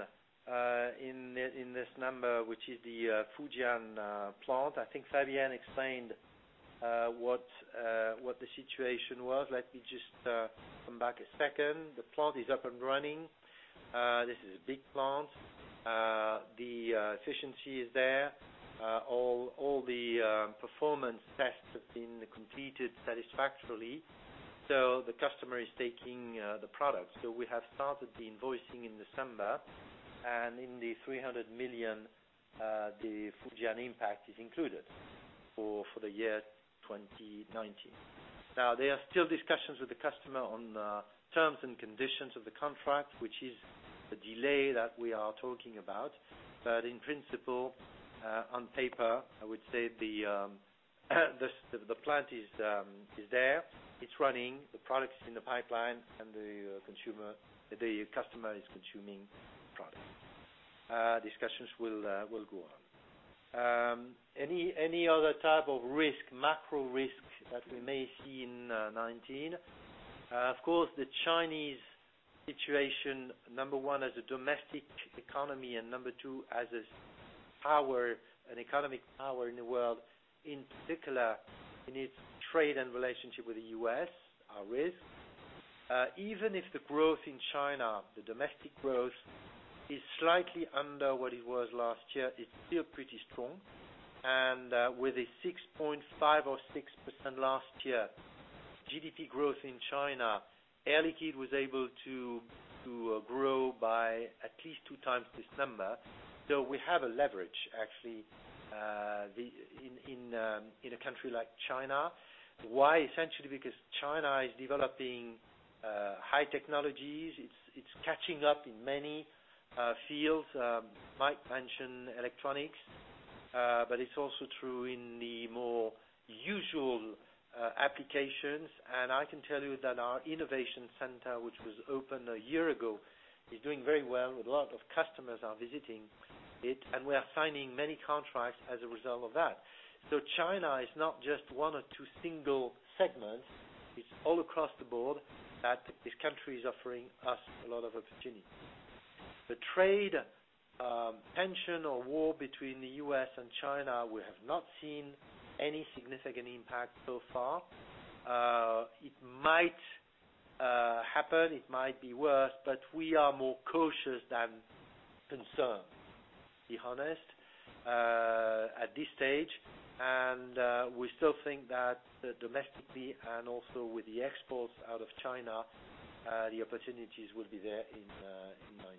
C: in this number, which is the Fujian plant. I think Fabienne explained what the situation was. Let me just come back a second. The plant is up and running. This is a big plant. The efficiency is there. All the performance tests have been completed satisfactorily. The customer is taking the product. We have started the invoicing in December, and in the 300 million, the Fujian impact is included for the year 2019. There are still discussions with the customer on terms and conditions of the contract, which is the delay that we are talking about. In principle, on paper, I would say the plant is there. It's running. The product is in the pipeline. The customer is consuming product. Discussions will go on. Any other type of risk, macro risk that we may see in 2019? Of course, the Chinese situation, number one, as a domestic economy, and number two, as a power, an economic power in the world, in particular in its trade and relationship with the U.S., are risks. Even if the growth in China, the domestic growth, is slightly under what it was last year, it's still pretty strong. With a 6.5% or six percent last year GDP growth in China, Air Liquide was able to grow by at least two times this number, though we have a leverage actually, in a country like China. Why? Essentially because China is developing high technologies. It's catching up in many fields. Mike mentioned electronics, but it's also true in the more usual applications. I can tell you that our innovation center, which was opened a year ago, is doing very well. A lot of customers are visiting it, and we are signing many contracts as a result of that. China is not just one or two single segments. It's all across the board that this country is offering us a lot of opportunities. The trade tension or war between the U.S. and China, we have not seen any significant impact so far. It might happen, it might be worse, we are more cautious than concerned, to be honest, at this stage. We still think that domestically and also with the exports out of China, the opportunities will be there in 2019.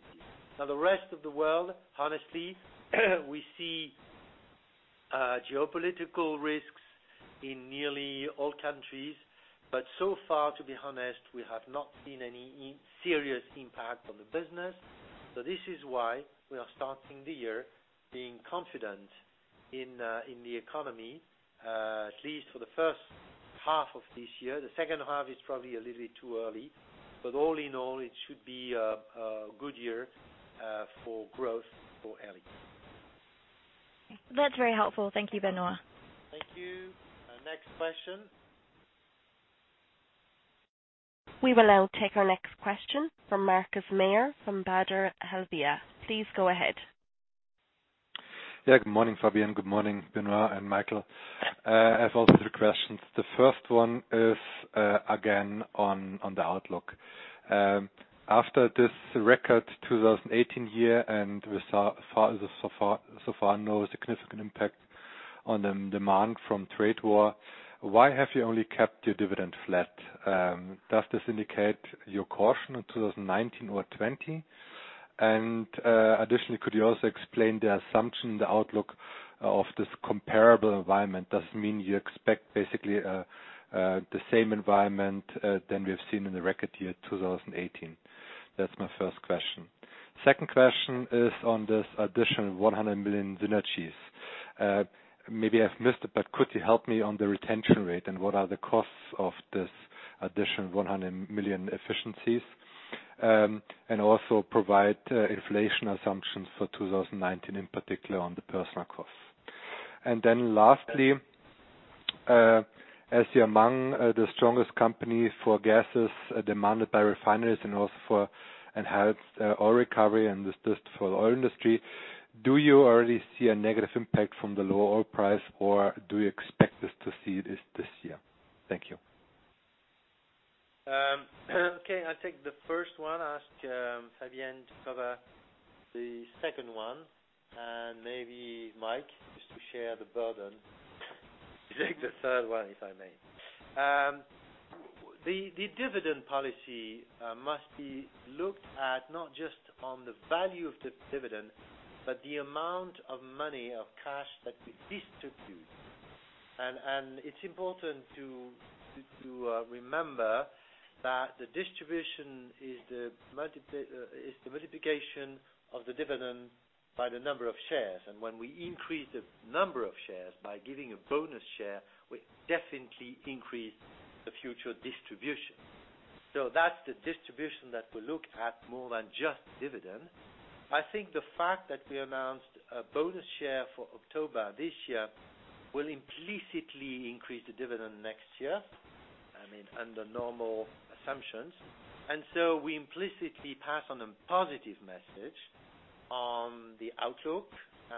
C: The rest of the world, honestly, we see geopolitical risks in nearly all countries. So far, to be honest, we have not seen any serious impact on the business. This is why we are starting the year being confident in the economy, at least for the first half of this year. The second half is probably a little bit too early, but all in all, it should be a good year for growth for Air Liquide.
H: That's very helpful. Thank you, Benoît.
C: Thank you. Next question.
A: We will now take our next question from Markus Mayer from Baader Helvea. Please go ahead.
I: Good morning, Fabienne. Good morning, Benoît and Michael. I have also three questions. The first one is, again, on the outlook. After this record 2018 year, so far no significant impact on the demand from trade war, why have you only kept your dividend flat? Does this indicate your caution in 2019 or 2020? Additionally, could you also explain the assumption, the outlook of this comparable environment? Does it mean you expect basically the same environment than we've seen in the record year 2018? That's my first question. Second question is on this additional 100 million synergies. Maybe I've missed it, but could you help me on the retention rate and what are the costs of this additional 100 million efficiencies? Also provide inflation assumptions for 2019, in particular on the personal costs. Lastly, as you're among the strongest companies for gases demanded by refineries and also for enhanced oil recovery and this just for the oil industry, do you already see a negative impact from the lower oil price, or do you expect us to see this year? Thank you.
C: I'll take the first one. I ask Fabienne to cover the second one. Maybe Mike, just to share the burden, take the third one, if I may. The dividend policy must be looked at not just on the value of the dividend, but the amount of money of cash that we distribute. It's important to remember that the distribution is the multiplication of the dividend by the number of shares. When we increase the number of shares by giving a bonus share, we definitely increase the future distribution. That's the distribution that we look at more than just dividend. I think the fact that we announced a bonus share for October this year will implicitly increase the dividend next year, I mean, under normal assumptions. So we implicitly pass on a positive message on the outlook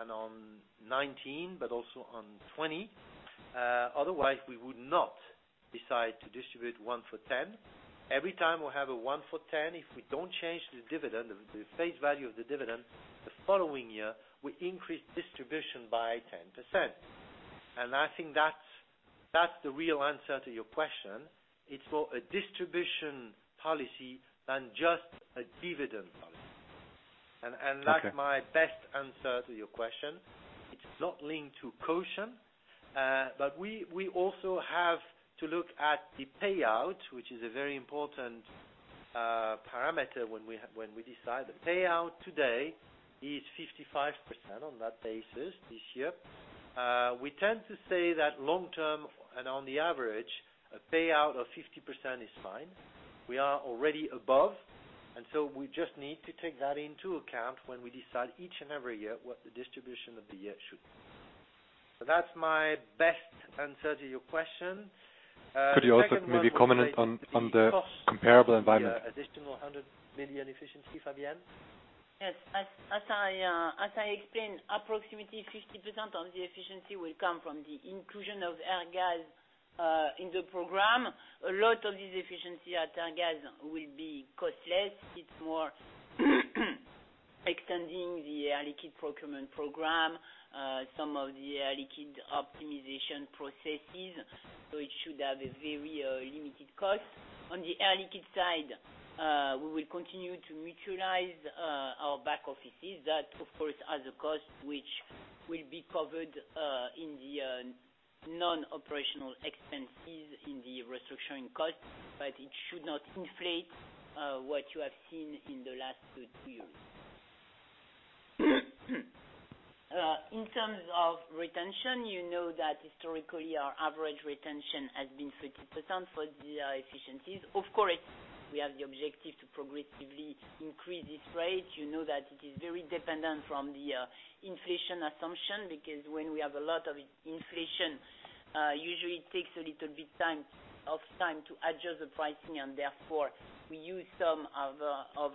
C: and on 2019, but also on 2020. Otherwise, we would not decide to distribute one for 10. Every time we have a one for 10, if we don't change the dividend, the face value of the dividend, the following year, we increase distribution by 10%. I think that's the real answer to your question. It's more a distribution policy than just a dividend policy.
I: Okay.
C: That's my best answer to your question. It's not linked to caution. We also have to look at the payout, which is a very important parameter when we decide. The payout today is 55% on that basis this year. We tend to say that long-term and on the average, a payout of 50% is fine. We are already above, we just need to take that into account when we decide each and every year what the distribution of the year should be. That's my best answer to your question.
I: Could you also maybe comment on the comparable environment?
C: The additional EUR 100 million efficiency, Fabienne?
D: Yes. As I explained, approximately 50% of the efficiency will come from the inclusion of Airgas in the program. A lot of this efficiency at Airgas will be costless. It's more extending the Air Liquide procurement program, some of the Air Liquide optimization processes, so it should have a very limited cost. On the Air Liquide side, we will continue to mutualize our back offices. That, of course, has a cost which will be covered in the non-operational expenses in the restructuring cost, but it should not inflate what you have seen in the last two years. In terms of retention, you know that historically our average retention has been 30% for the efficiencies. We have the objective to progressively increase this rate. You know that it is very dependent from the inflation assumption, because when we have a lot of inflation, usually it takes a little bit of time to adjust the pricing and therefore we use some of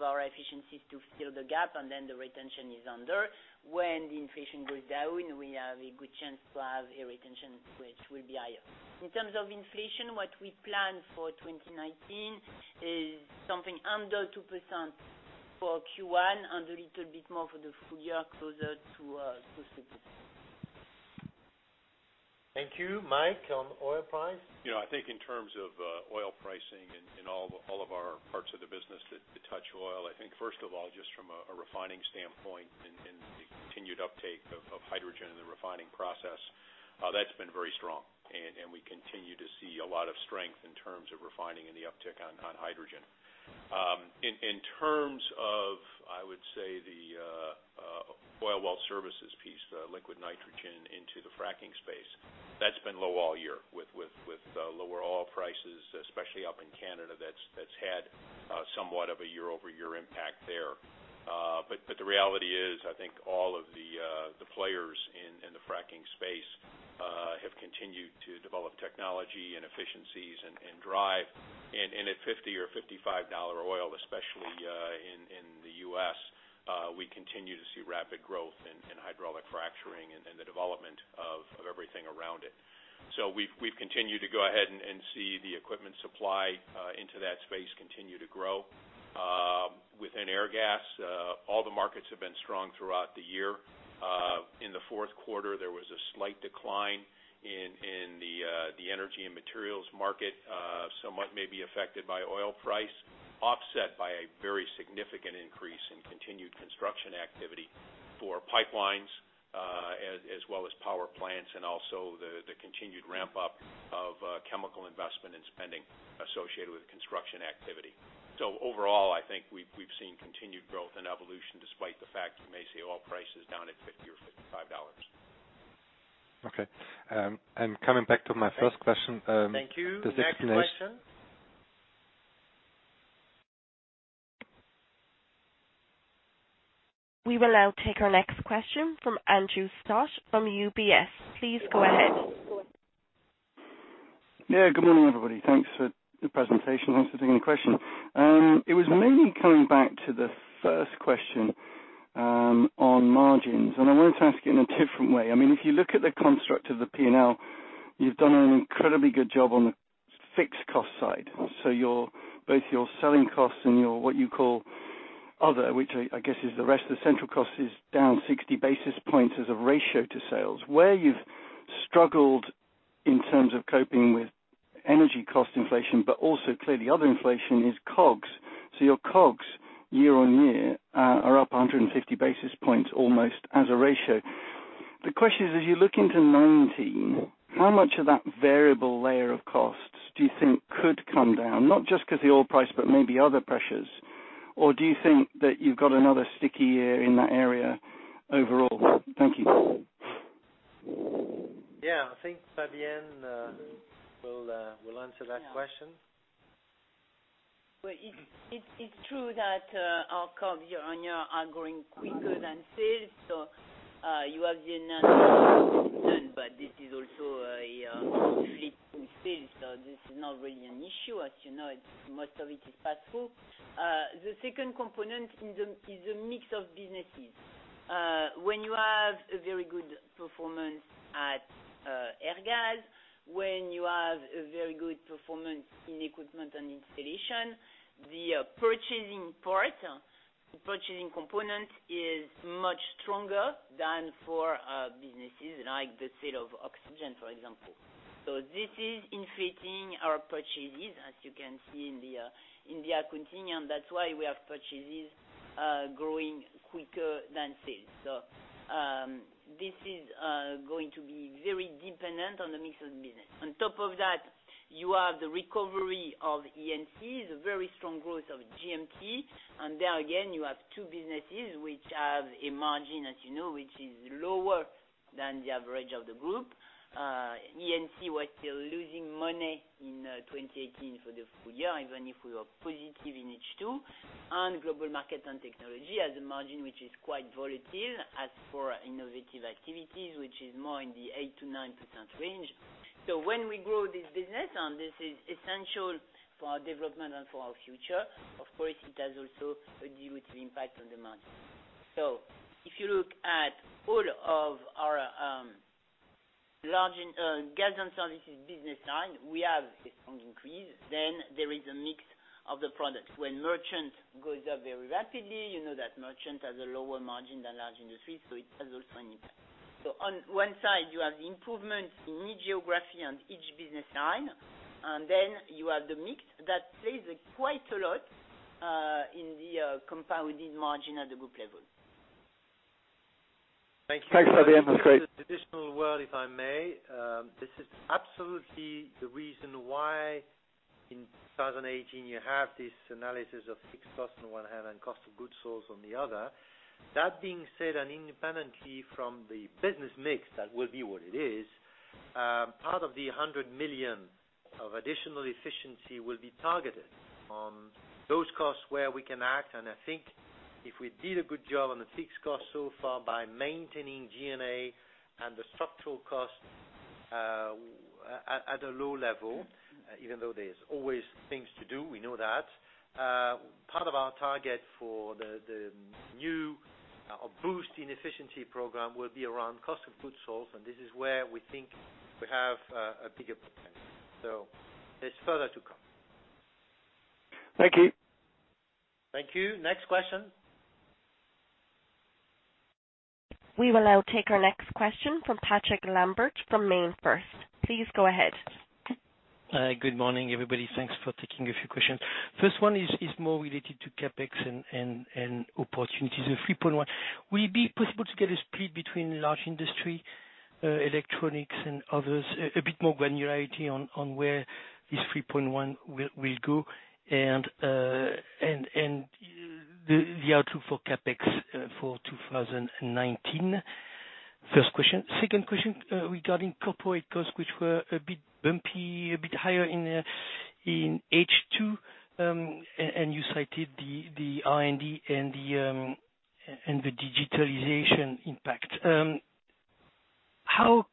D: our efficiencies to fill the gap, and then the retention is under. When the inflation goes down, we have a good chance to have a retention which will be higher. In terms of inflation, what we plan for 2019 is something under two percent for Q1 and a little bit more for the full year, closer to two percent.
C: Thank you. Mike, on oil price?
G: I think in terms of oil pricing in all of our parts of the business that touch oil, I think first of all, just from a refining standpoint and the continued uptake of hydrogen in the refining process, that's been very strong, and we continue to see a lot of strength in terms of refining and the uptick on hydrogen. In terms of, I would say, the oil well services piece, the liquid nitrogen into the fracking space, that's been low all year with lower oil prices, especially up in Canada. That's had somewhat of a year-over-year impact there. The reality is, I think all of the players in the fracking space have continued to develop technology and efficiencies and drive. At $50 or $55 oil, especially in the U.S., we continue to see rapid growth in hydraulic fracturing and the development of everything around it. We've continued to go ahead and see the equipment supply into that space continue to grow. Within Airgas, all the markets have been strong throughout the year. In the Q4, there was a slight decline in the energy and materials market, somewhat may be affected by oil price, offset by a very significant increase in continued construction activity for pipelines, as well as power plants, and also the continued ramp-up of chemical investment and spending associated with construction activity. Overall, I think we've seen continued growth and evolution despite the fact you may see oil prices down at $50 or $55.
I: Okay. coming back to my first question.
C: Thank you. Next question.
I: Does it make sense?
A: We will now take our next question from Andrew Stott from UBS. Please go ahead.
J: Good morning, everybody. Thanks for the presentation. Thanks for taking the question. It was mainly coming back to the first question on margins. I wanted to ask it in a different way. If you look at the construct of the P&L, you've done an incredibly good job on the fixed cost side. Both your selling costs and your, what you call other, which I guess is the rest of the central cost, is down 60 basis points as a ratio to sales. Where you've struggled in terms of coping with energy cost inflation, but also clearly other inflation is COGS. Your COGS year-on-year are up 150 basis points almost as a ratio. The question is: as you look into 2019, how much of that variable layer of costs do you think could come down, not just because of the oil price but maybe other pressures? Do you think that you've got another sticky year in that area overall? Thank you.
C: I think Fabienne will answer that question.
D: Well, it's true that our COGS year-on-year are growing quicker than sales. You have the but this is also a in sales, so this is not really an issue. As you know, most of it is pass-through. The second component is the mix of businesses. When you have a very good performance at Airgas, when you have a very good performance in equipment and installation, the purchasing part, the purchasing component is much stronger than for businesses like the sale of oxygen, for example. This is inflating our purchases, as you can see in the continuum. That's why we have purchases growing quicker than sales. This is going to be very dependent on the mix of business. On top of that, you have the recovery of E&C, the very strong growth of GM&T. There again, you have two businesses which have a margin, as you know, which is lower than the average of the group. E&C was still losing money in 2018 for the full year, even if we were positive in H2. Global Markets & Technologies has a margin which is quite volatile. As for innovative activities, which is more in the eight percent-nine percent range. When we grow this business, and this is essential for our development and for our future, of course, it has also a dilutive impact on the margin. Of our Gas and Services business line, we have a strong increase. There is a mix of the products. When merchant goes up very rapidly, you know that merchant has a lower margin than large industry, so it has also an impact. On one side, you have the improvement in each geography and each business line, and then you have the mix that plays quite a lot in the compounded margin at the group level.
J: Thanks for the input, Steve.
C: I'll say an additional word, if I may. This is absolutely the reason why in 2018 you have this analysis of fixed cost on one hand and cost of goods sold on the other. That being said, independently from the business mix, that will be what it is, part of the 100 million of additional efficiency will be targeted on those costs where we can act. I think if we did a good job on the fixed cost so far by maintaining G&A and the structural cost at a low level, even though there's always things to do, we know that. Part of our target for the new boost in efficiency program will be around cost of goods sold, and this is where we think we have a bigger potential. There's further to come.
J: Thank you.
C: Thank you. Next question.
A: We will now take our next question from Patrick Lambert from MainFirst. Please go ahead.
K: Good morning, everybody. Thanks for taking a few questions. First one is more related to CapEx and opportunities of 3.1. Will it be possible to get a split between large industry, electronics, and others, a bit more granularity on where this 3.1 will go, and the outlook for CapEx for 2019? First question. Second question, regarding corporate costs, which were a bit bumpy, a bit higher in H2, and you cited the R&D and the digitalization impact. How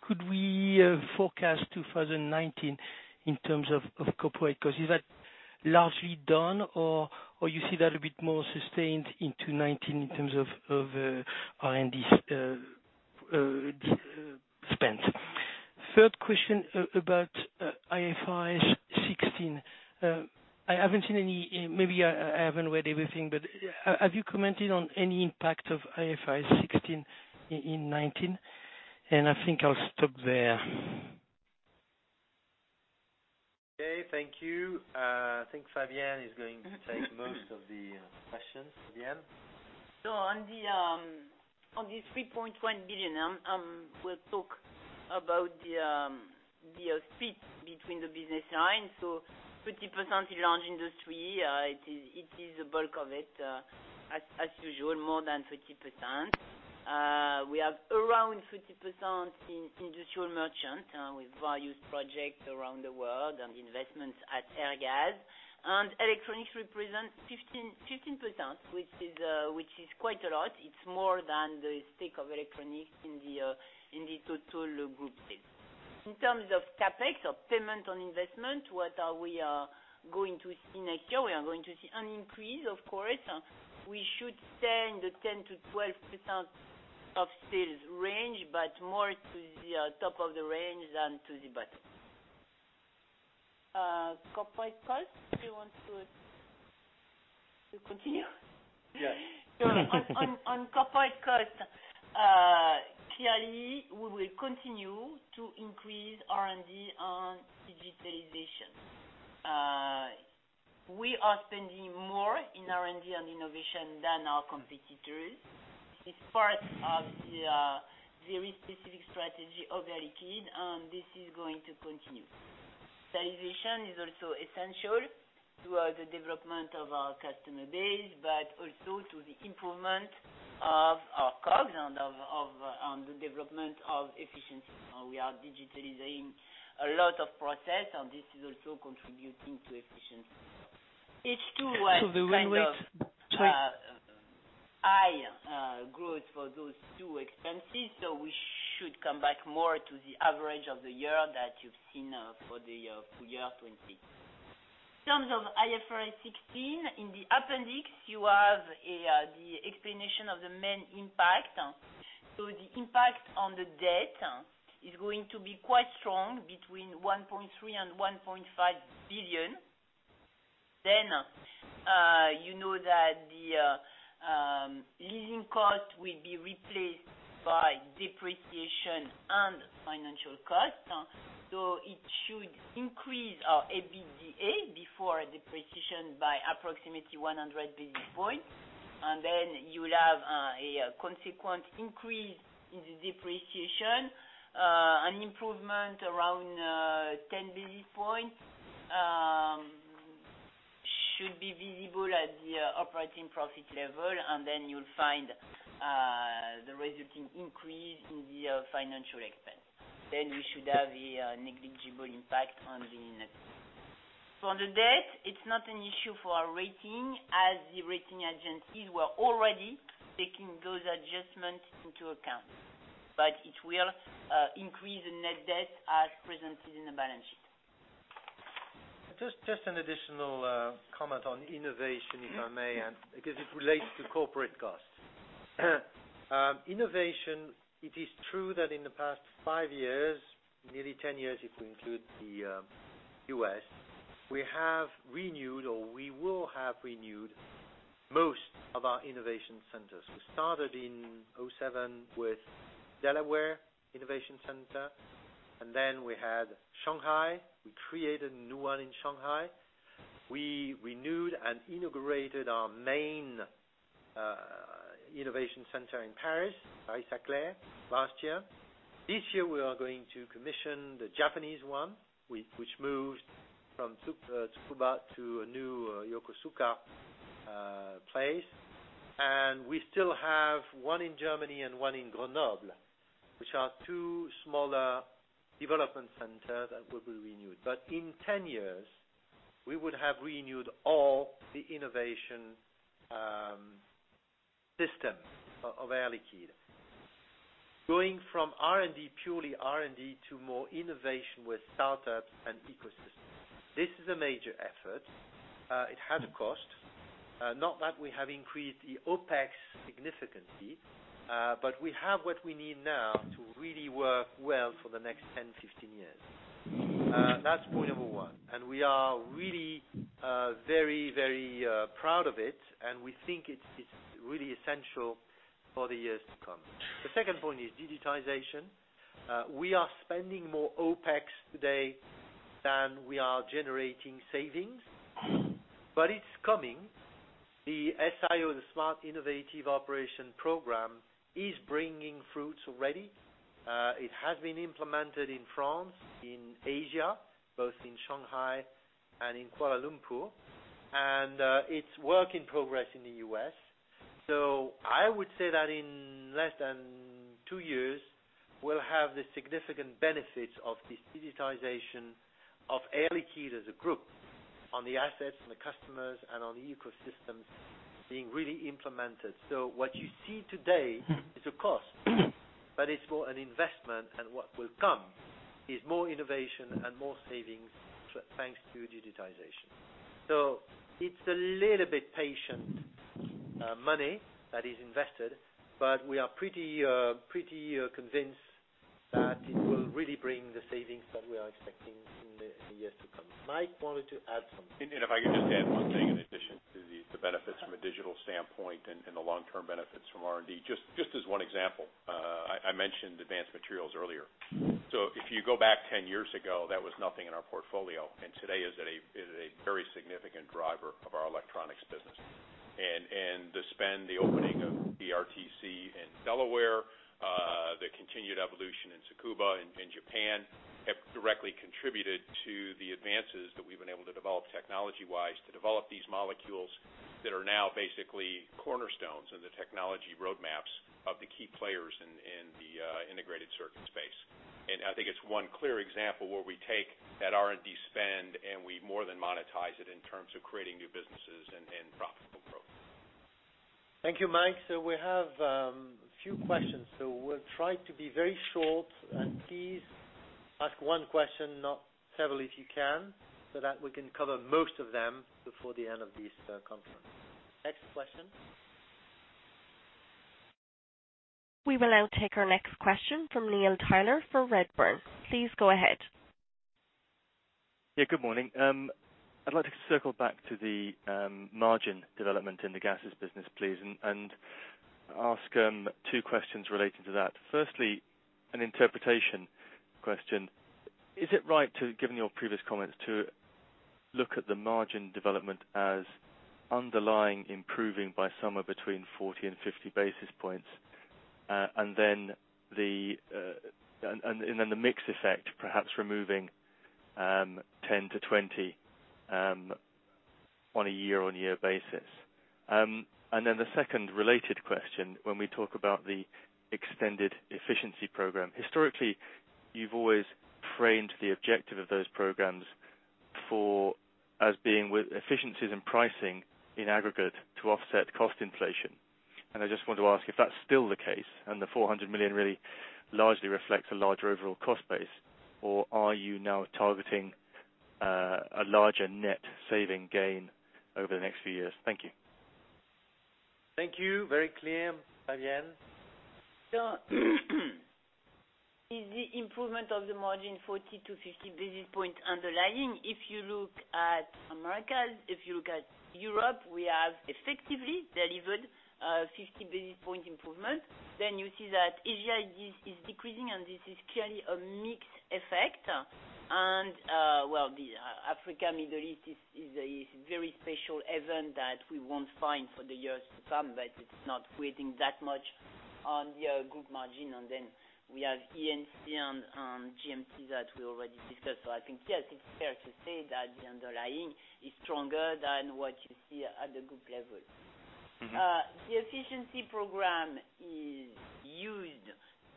K: could we forecast 2019 in terms of corporate cost? Is that largely done, or you see that a bit more sustained into 2019 in terms of R&D spend? Third question about IFRS 16. I haven't seen any. Maybe I haven't read everything, but have you commented on any impact of IFRS 16 in 2019? I think I'll stop there.
C: Okay, thank you. I think Fabienne is going to take most of the questions. Fabienne?
D: On the 3.1 billion, we will talk about the split between the business lines. 50% is large industry. It is the bulk of it. As usual, more than 50%. We have around 50% in industrial merchant, with various projects around the world and investments at Airgas. Electronics represents 15%, which is quite a lot. It is more than the stake of electronics in the total group sales. In terms of CapEx or payment on investment, what are we going to see next year? We are going to see an increase, of course. We should stay in the 10%-12% of sales range, but more to the top of the range than to the bottom. Corporate costs, do you want to continue?
C: Yes.
D: On corporate cost, clearly, we will continue to increase R&D on digitalization. We are spending more in R&D and innovation than our competitors. It is part of the very specific strategy of Air Liquide. This is going to continue. Digitalization is also essential to the development of our customer base, but also to the improvement of our COGS and on the development of efficiencies. We are digitalizing a lot of process. This is also contributing to efficiency. H2 was-
A: Could we wind, wait. Sorry
D: kind of high growth for those two expenses, we should come back more to the average of the year that you've seen for year 2020. In terms of IFRS 16, in the appendix, you have the explanation of the main impact. The impact on the debt is going to be quite strong, between 1.3 billion and 1.5 billion. You know that the leasing cost will be replaced by depreciation and financial cost. It should increase our EBITDA before depreciation by approximately 100 basis points. You'll have a consequent increase in the depreciation, an improvement around 10 basis points should be visible at the operating profit level, you'll find the resulting increase in the financial expense. We should have a negligible impact on the net. For the debt, it's not an issue for our rating, as the rating agencies were already taking those adjustments into account. It will increase the net debt as presented in the balance sheet.
C: Just an additional comment on innovation, if I may, because it relates to corporate costs. Innovation, it is true that in the past five years, nearly 10 years, if we include the U.S., we have renewed or we will have renewed most of our innovation centers. We started in 2007 with Delaware Innovation Space, we had Shanghai. We created a new one in Shanghai. We renewed and integrated our main innovation center in Paris-Saclay, last year. This year, we are going to commission the Japanese one, which moves from Tsukuba to a new Yokosuka place. We still have one in Germany and one in Grenoble, which are two smaller development centers that will be renewed. In 10 years, we would have renewed all the innovation systems of Air Liquide. Going from R&D, purely R&D, to more innovation with startups and ecosystems. This is a major effort. It had a cost. Not that we have increased the OPEX significantly, but we have what we need now to really work well for the next 10, 15 years. That's point number one. We are really very proud of it, and we think it's really essential for the years to come. The second point is digitization. We are spending more OPEX today than we are generating savings, but it's coming. The SIO, the Smart Innovative Operations program, is bringing fruits already. It has been implemented in France, in Asia, both in Shanghai and in Kuala Lumpur, it's work in progress in the U.S. I would say that in less than two years, we'll have the significant benefits of this digitization of Air Liquide as a group on the assets, on the customers, and on the ecosystems being really implemented. What you see today is a cost, but it's more an investment, and what will come is more innovation and more savings, thanks to digitization. It's a little bit patient money that is invested, but we are pretty convinced that it will really bring the savings that we are expecting in the years to come. Mike wanted to add something.
G: If I could just add one thing in addition to the benefits from a digital standpoint and the long-term benefits from R&D, just as one example. I mentioned advanced materials earlier. If you go back 10 years ago, that was nothing in our portfolio, and today is a very significant driver of our electronics business. The spend, the opening of the RTC in Delaware, the continued evolution in Tsukuba in Japan, have directly contributed to the advances that we've been able to develop technology-wise to develop these molecules that are now basically cornerstones in the technology roadmaps of the key players in the integrated circuit space. I think it's one clear example where we take that R&D spend and we more than monetize it in terms of creating new businesses and profitable growth.
C: Thank you, Mike. We have a few questions. We'll try to be very short and please ask one question, not several, if you can, so that we can cover most of them before the end of this conference. Next question?
A: We will now take our next question from Neil Tyler for Redburn. Please go ahead.
L: Yeah, good morning. I'd like to circle back to the margin development in the gases business, please, and ask two questions related to that. Firstly, an interpretation question. Is it right to, given your previous comments, to look at the margin development as underlying improving by somewhere between 40 and 50 basis points? The mix effect, perhaps removing 10 - 20 on a year-on-year basis. The second related question, when we talk about the extended efficiency program. Historically, you've always framed the objective of those programs as being with efficiencies in pricing in aggregate to offset cost inflation. I just want to ask if that's still the case and the 400 million really largely reflects a larger overall cost base or are you now targeting a larger net saving gain over the next few years? Thank you.
C: Thank you. Very clear, Fabienne.
D: Yeah. Is the improvement of the margin 40 - 50 basis points underlying? If you look at Americas, if you look at Europe, we have effectively delivered a 50-basis point improvement. You see that Asia is decreasing, and this is clearly a mixed effect. The Africa, Middle East is a very special event that we won't find for the years to come, but it's not creating that much on the group margin. We have E&C and GM&T that we already discussed. I think, yes, it's fair to say that the underlying is stronger than what you see at the group level. The efficiency program is used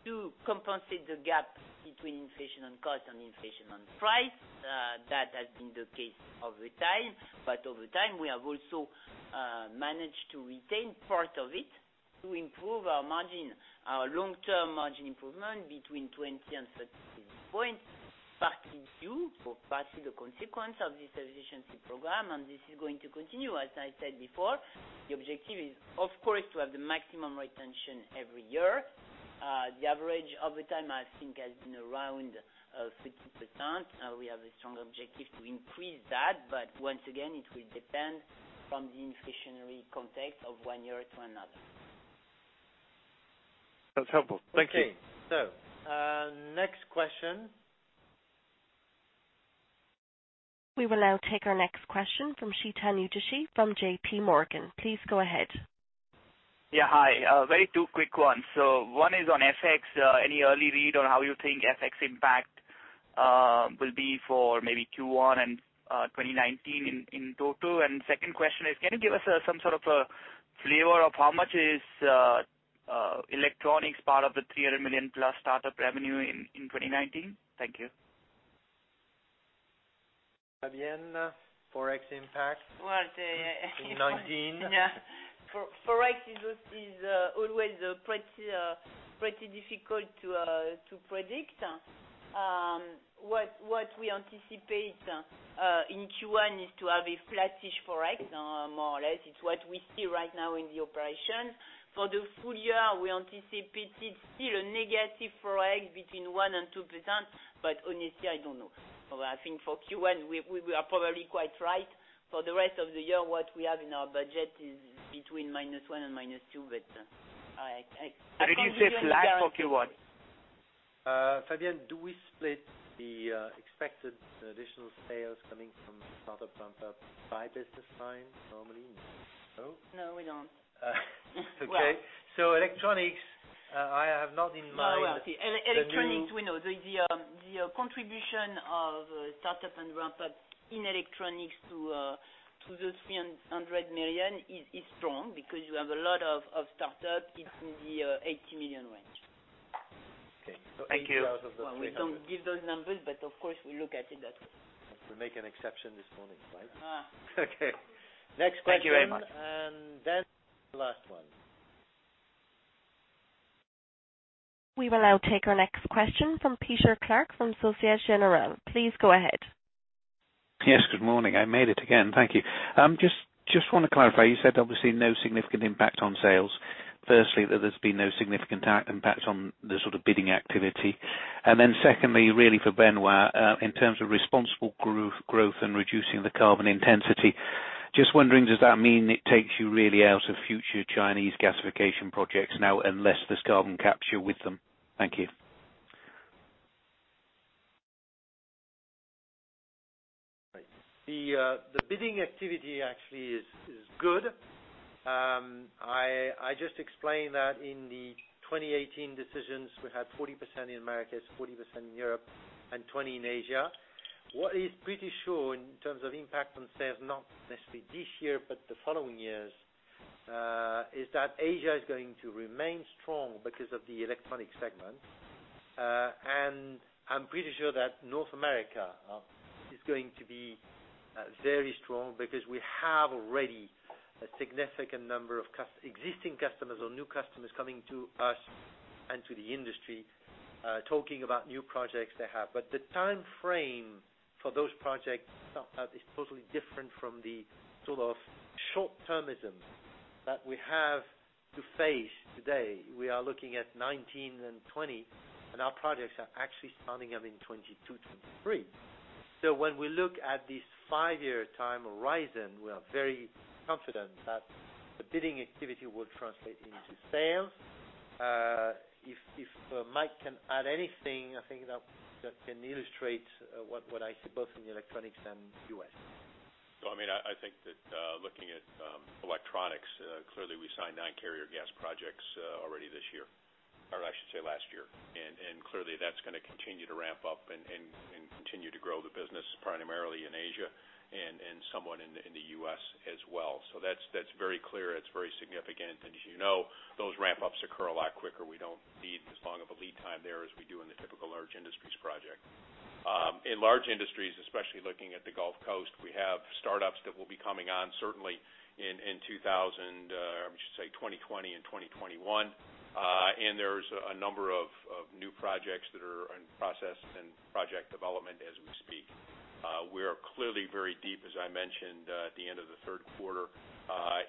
D: to compensate the gap between inflation on cost and inflation on price. That has been the case over time, but over time, we have also managed to retain part of it to improve our margin, our long-term margin improvement between 20 and 30 basis points, partly due, or partly the consequence of this efficiency program, and this is going to continue. As I said before, the objective is, of course, to have the maximum retention every year. The average over time, I think, has been around 60%. We have a strong objective to increase that. Once again, it will depend on the inflationary context of one year to another.
L: That's helpful. Thank you.
C: Okay. Next question.
A: We will now take our next question from Chetan Udashi from JP Morgan. Please go ahead.
M: Yeah. Hi. Very two quick ones. One is on FX. Any early read on how you think FX impact will be for maybe Q1 and 2019 in total? Second question is, can you give us some sort of a flavor of how much is electronics part of the $300 million plus start-up revenue in 2019? Thank you.
C: Fabienne, Forex impact.
D: Well, the.
C: '19.
D: Yeah. Forex is always pretty difficult to predict. What we anticipate, in Q1, is to have a flattish Forex, more or less. It's what we see right now in the operation. For the full year, we anticipated still a negative Forex between one percent and two percent, but honestly, I don't know. I think for Q1, we are probably quite right. For the rest of the year, what we have in our budget is between -one percent and -two percent, but I can't guarantee-
M: Did you say flat for Q1?
C: Fabienne, do we split the expected additional sales coming from start-up, ramp-up by business line normally? No?
D: No, we don't.
C: Electronics, I have not in mind the new.
D: Electronics, we know the contribution of start-up and ramp-up in Electronics to the $300 million is strong because you have a lot of start-up. It's in the $80 million range.
C: Okay.
M: Thank you.
D: We don't give those numbers, but of course, we look at it that way.
C: We'll make an exception this morning. Fine. Okay. Next question.
M: Thank you very much.
C: Last one.
A: We will now take our next question from Peter Clark from Société Générale. Please go ahead.
N: Yes. Good morning. I made it again. Thank you. Just want to clarify, you said obviously no significant impact on sales. Firstly, that there has been no significant impact on the sort of bidding activity. Secondly, really for Benoît, in terms of responsible growth and reducing the carbon intensity. Just wondering, does that mean it takes you really out of future Chinese gasification projects now unless there is carbon capture with them? Thank you.
C: The bidding activity actually is good. I just explained that in the 2018 decisions, we had 40% in Americas, 40% in Europe and 20% in Asia. What is pretty sure in terms of impact on sales, not necessarily this year, but the following years, is that Asia is going to remain strong because of the Electronics segment. I'm pretty sure that North America is going to be very strong because we have already a significant number of existing customers or new customers coming to us and to the industry, talking about new projects they have. The timeframe for those projects is totally different from the sort of short-termism that we have to face today. We are looking at 2019 and 2020, and our projects are actually starting up in 2022, 2023. When we look at this five-year time horizon, we are very confident that the bidding activity will translate into sales. If Mike can add anything, I think that can illustrate what I see both in the Electronics and U.S.
G: I think that, looking at Electronics, clearly we signed nine carrier gas projects already this year, or I should say last year. Clearly that's going to continue to ramp up and continue to grow the business primarily in Asia and somewhat in the U.S. as well. That's very clear. It's very significant. As you know, those ramp-ups occur a lot quicker. We don't need as long of a lead time there as we do in the typical Large Industries project. In Large Industries, especially looking at the Gulf Coast, we have start-ups that will be coming on certainly in 2020 and 2021. There's a number of new projects that are in process and project development as we speak. We are clearly very deep, as I mentioned, at the end of the Q3,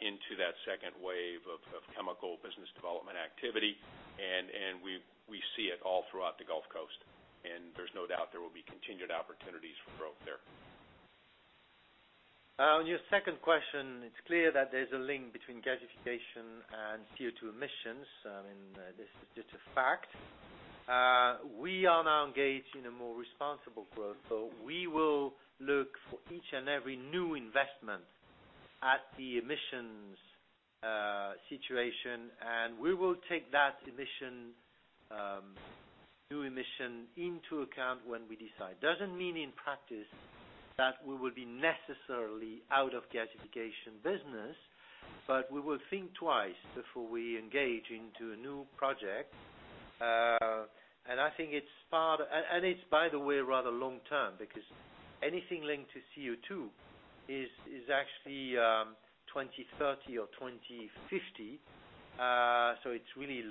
G: into that second wave of chemical business development activity. We see it all throughout the Gulf Coast. There's no doubt there will be continued opportunities for growth there.
C: On your second question, it's clear that there's a link between gasification and CO2 emissions. I mean, this is just a fact. We are now engaged in a more responsible growth. We will look for each and every new investment at the emissions situation. We will take that new emission into account when we decide. Doesn't mean in practice that we will be necessarily out of gasification business, but we will think twice before we engage into a new project. It's, by the way, rather long-term because anything linked to CO2 is actually 2030 or 2050. It's really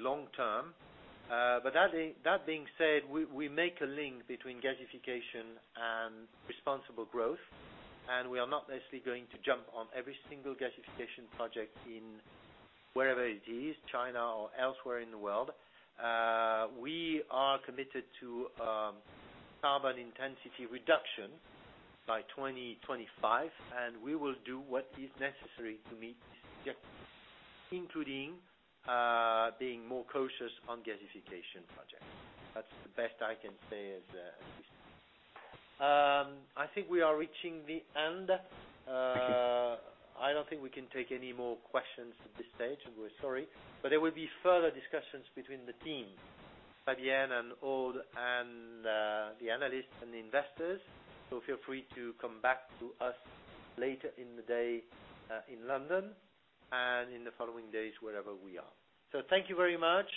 C: long-term. That being said, we make a link between gasification and responsible growth. We are not necessarily going to jump on every single gasification project in wherever it is, China or elsewhere in the world. We are committed to carbon intensity reduction by 2025. We will do what is necessary to meet the objective, including being more cautious on gasification projects. That's the best I can say as a system. I think we are reaching the end. I don't think we can take any more questions at this stage. We're sorry, but there will be further discussions between the teams, Fabienne and Aude, and the analysts and investors. Feel free to come back to us later in the day in London and in the following days, wherever we are. Thank you very much.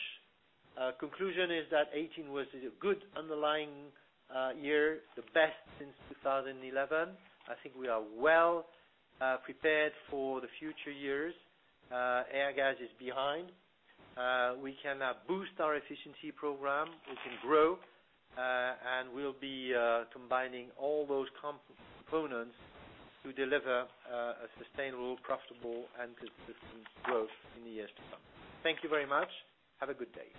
C: Conclusion is that 2018 was a good underlying year, the best since 2011. I think we are well prepared for the future years. Airgas is behind. We can now boost our efficiency program. We can grow. We'll be combining all those components to deliver a sustainable, profitable, and consistent growth in the years to come. Thank you very much. Have a good day.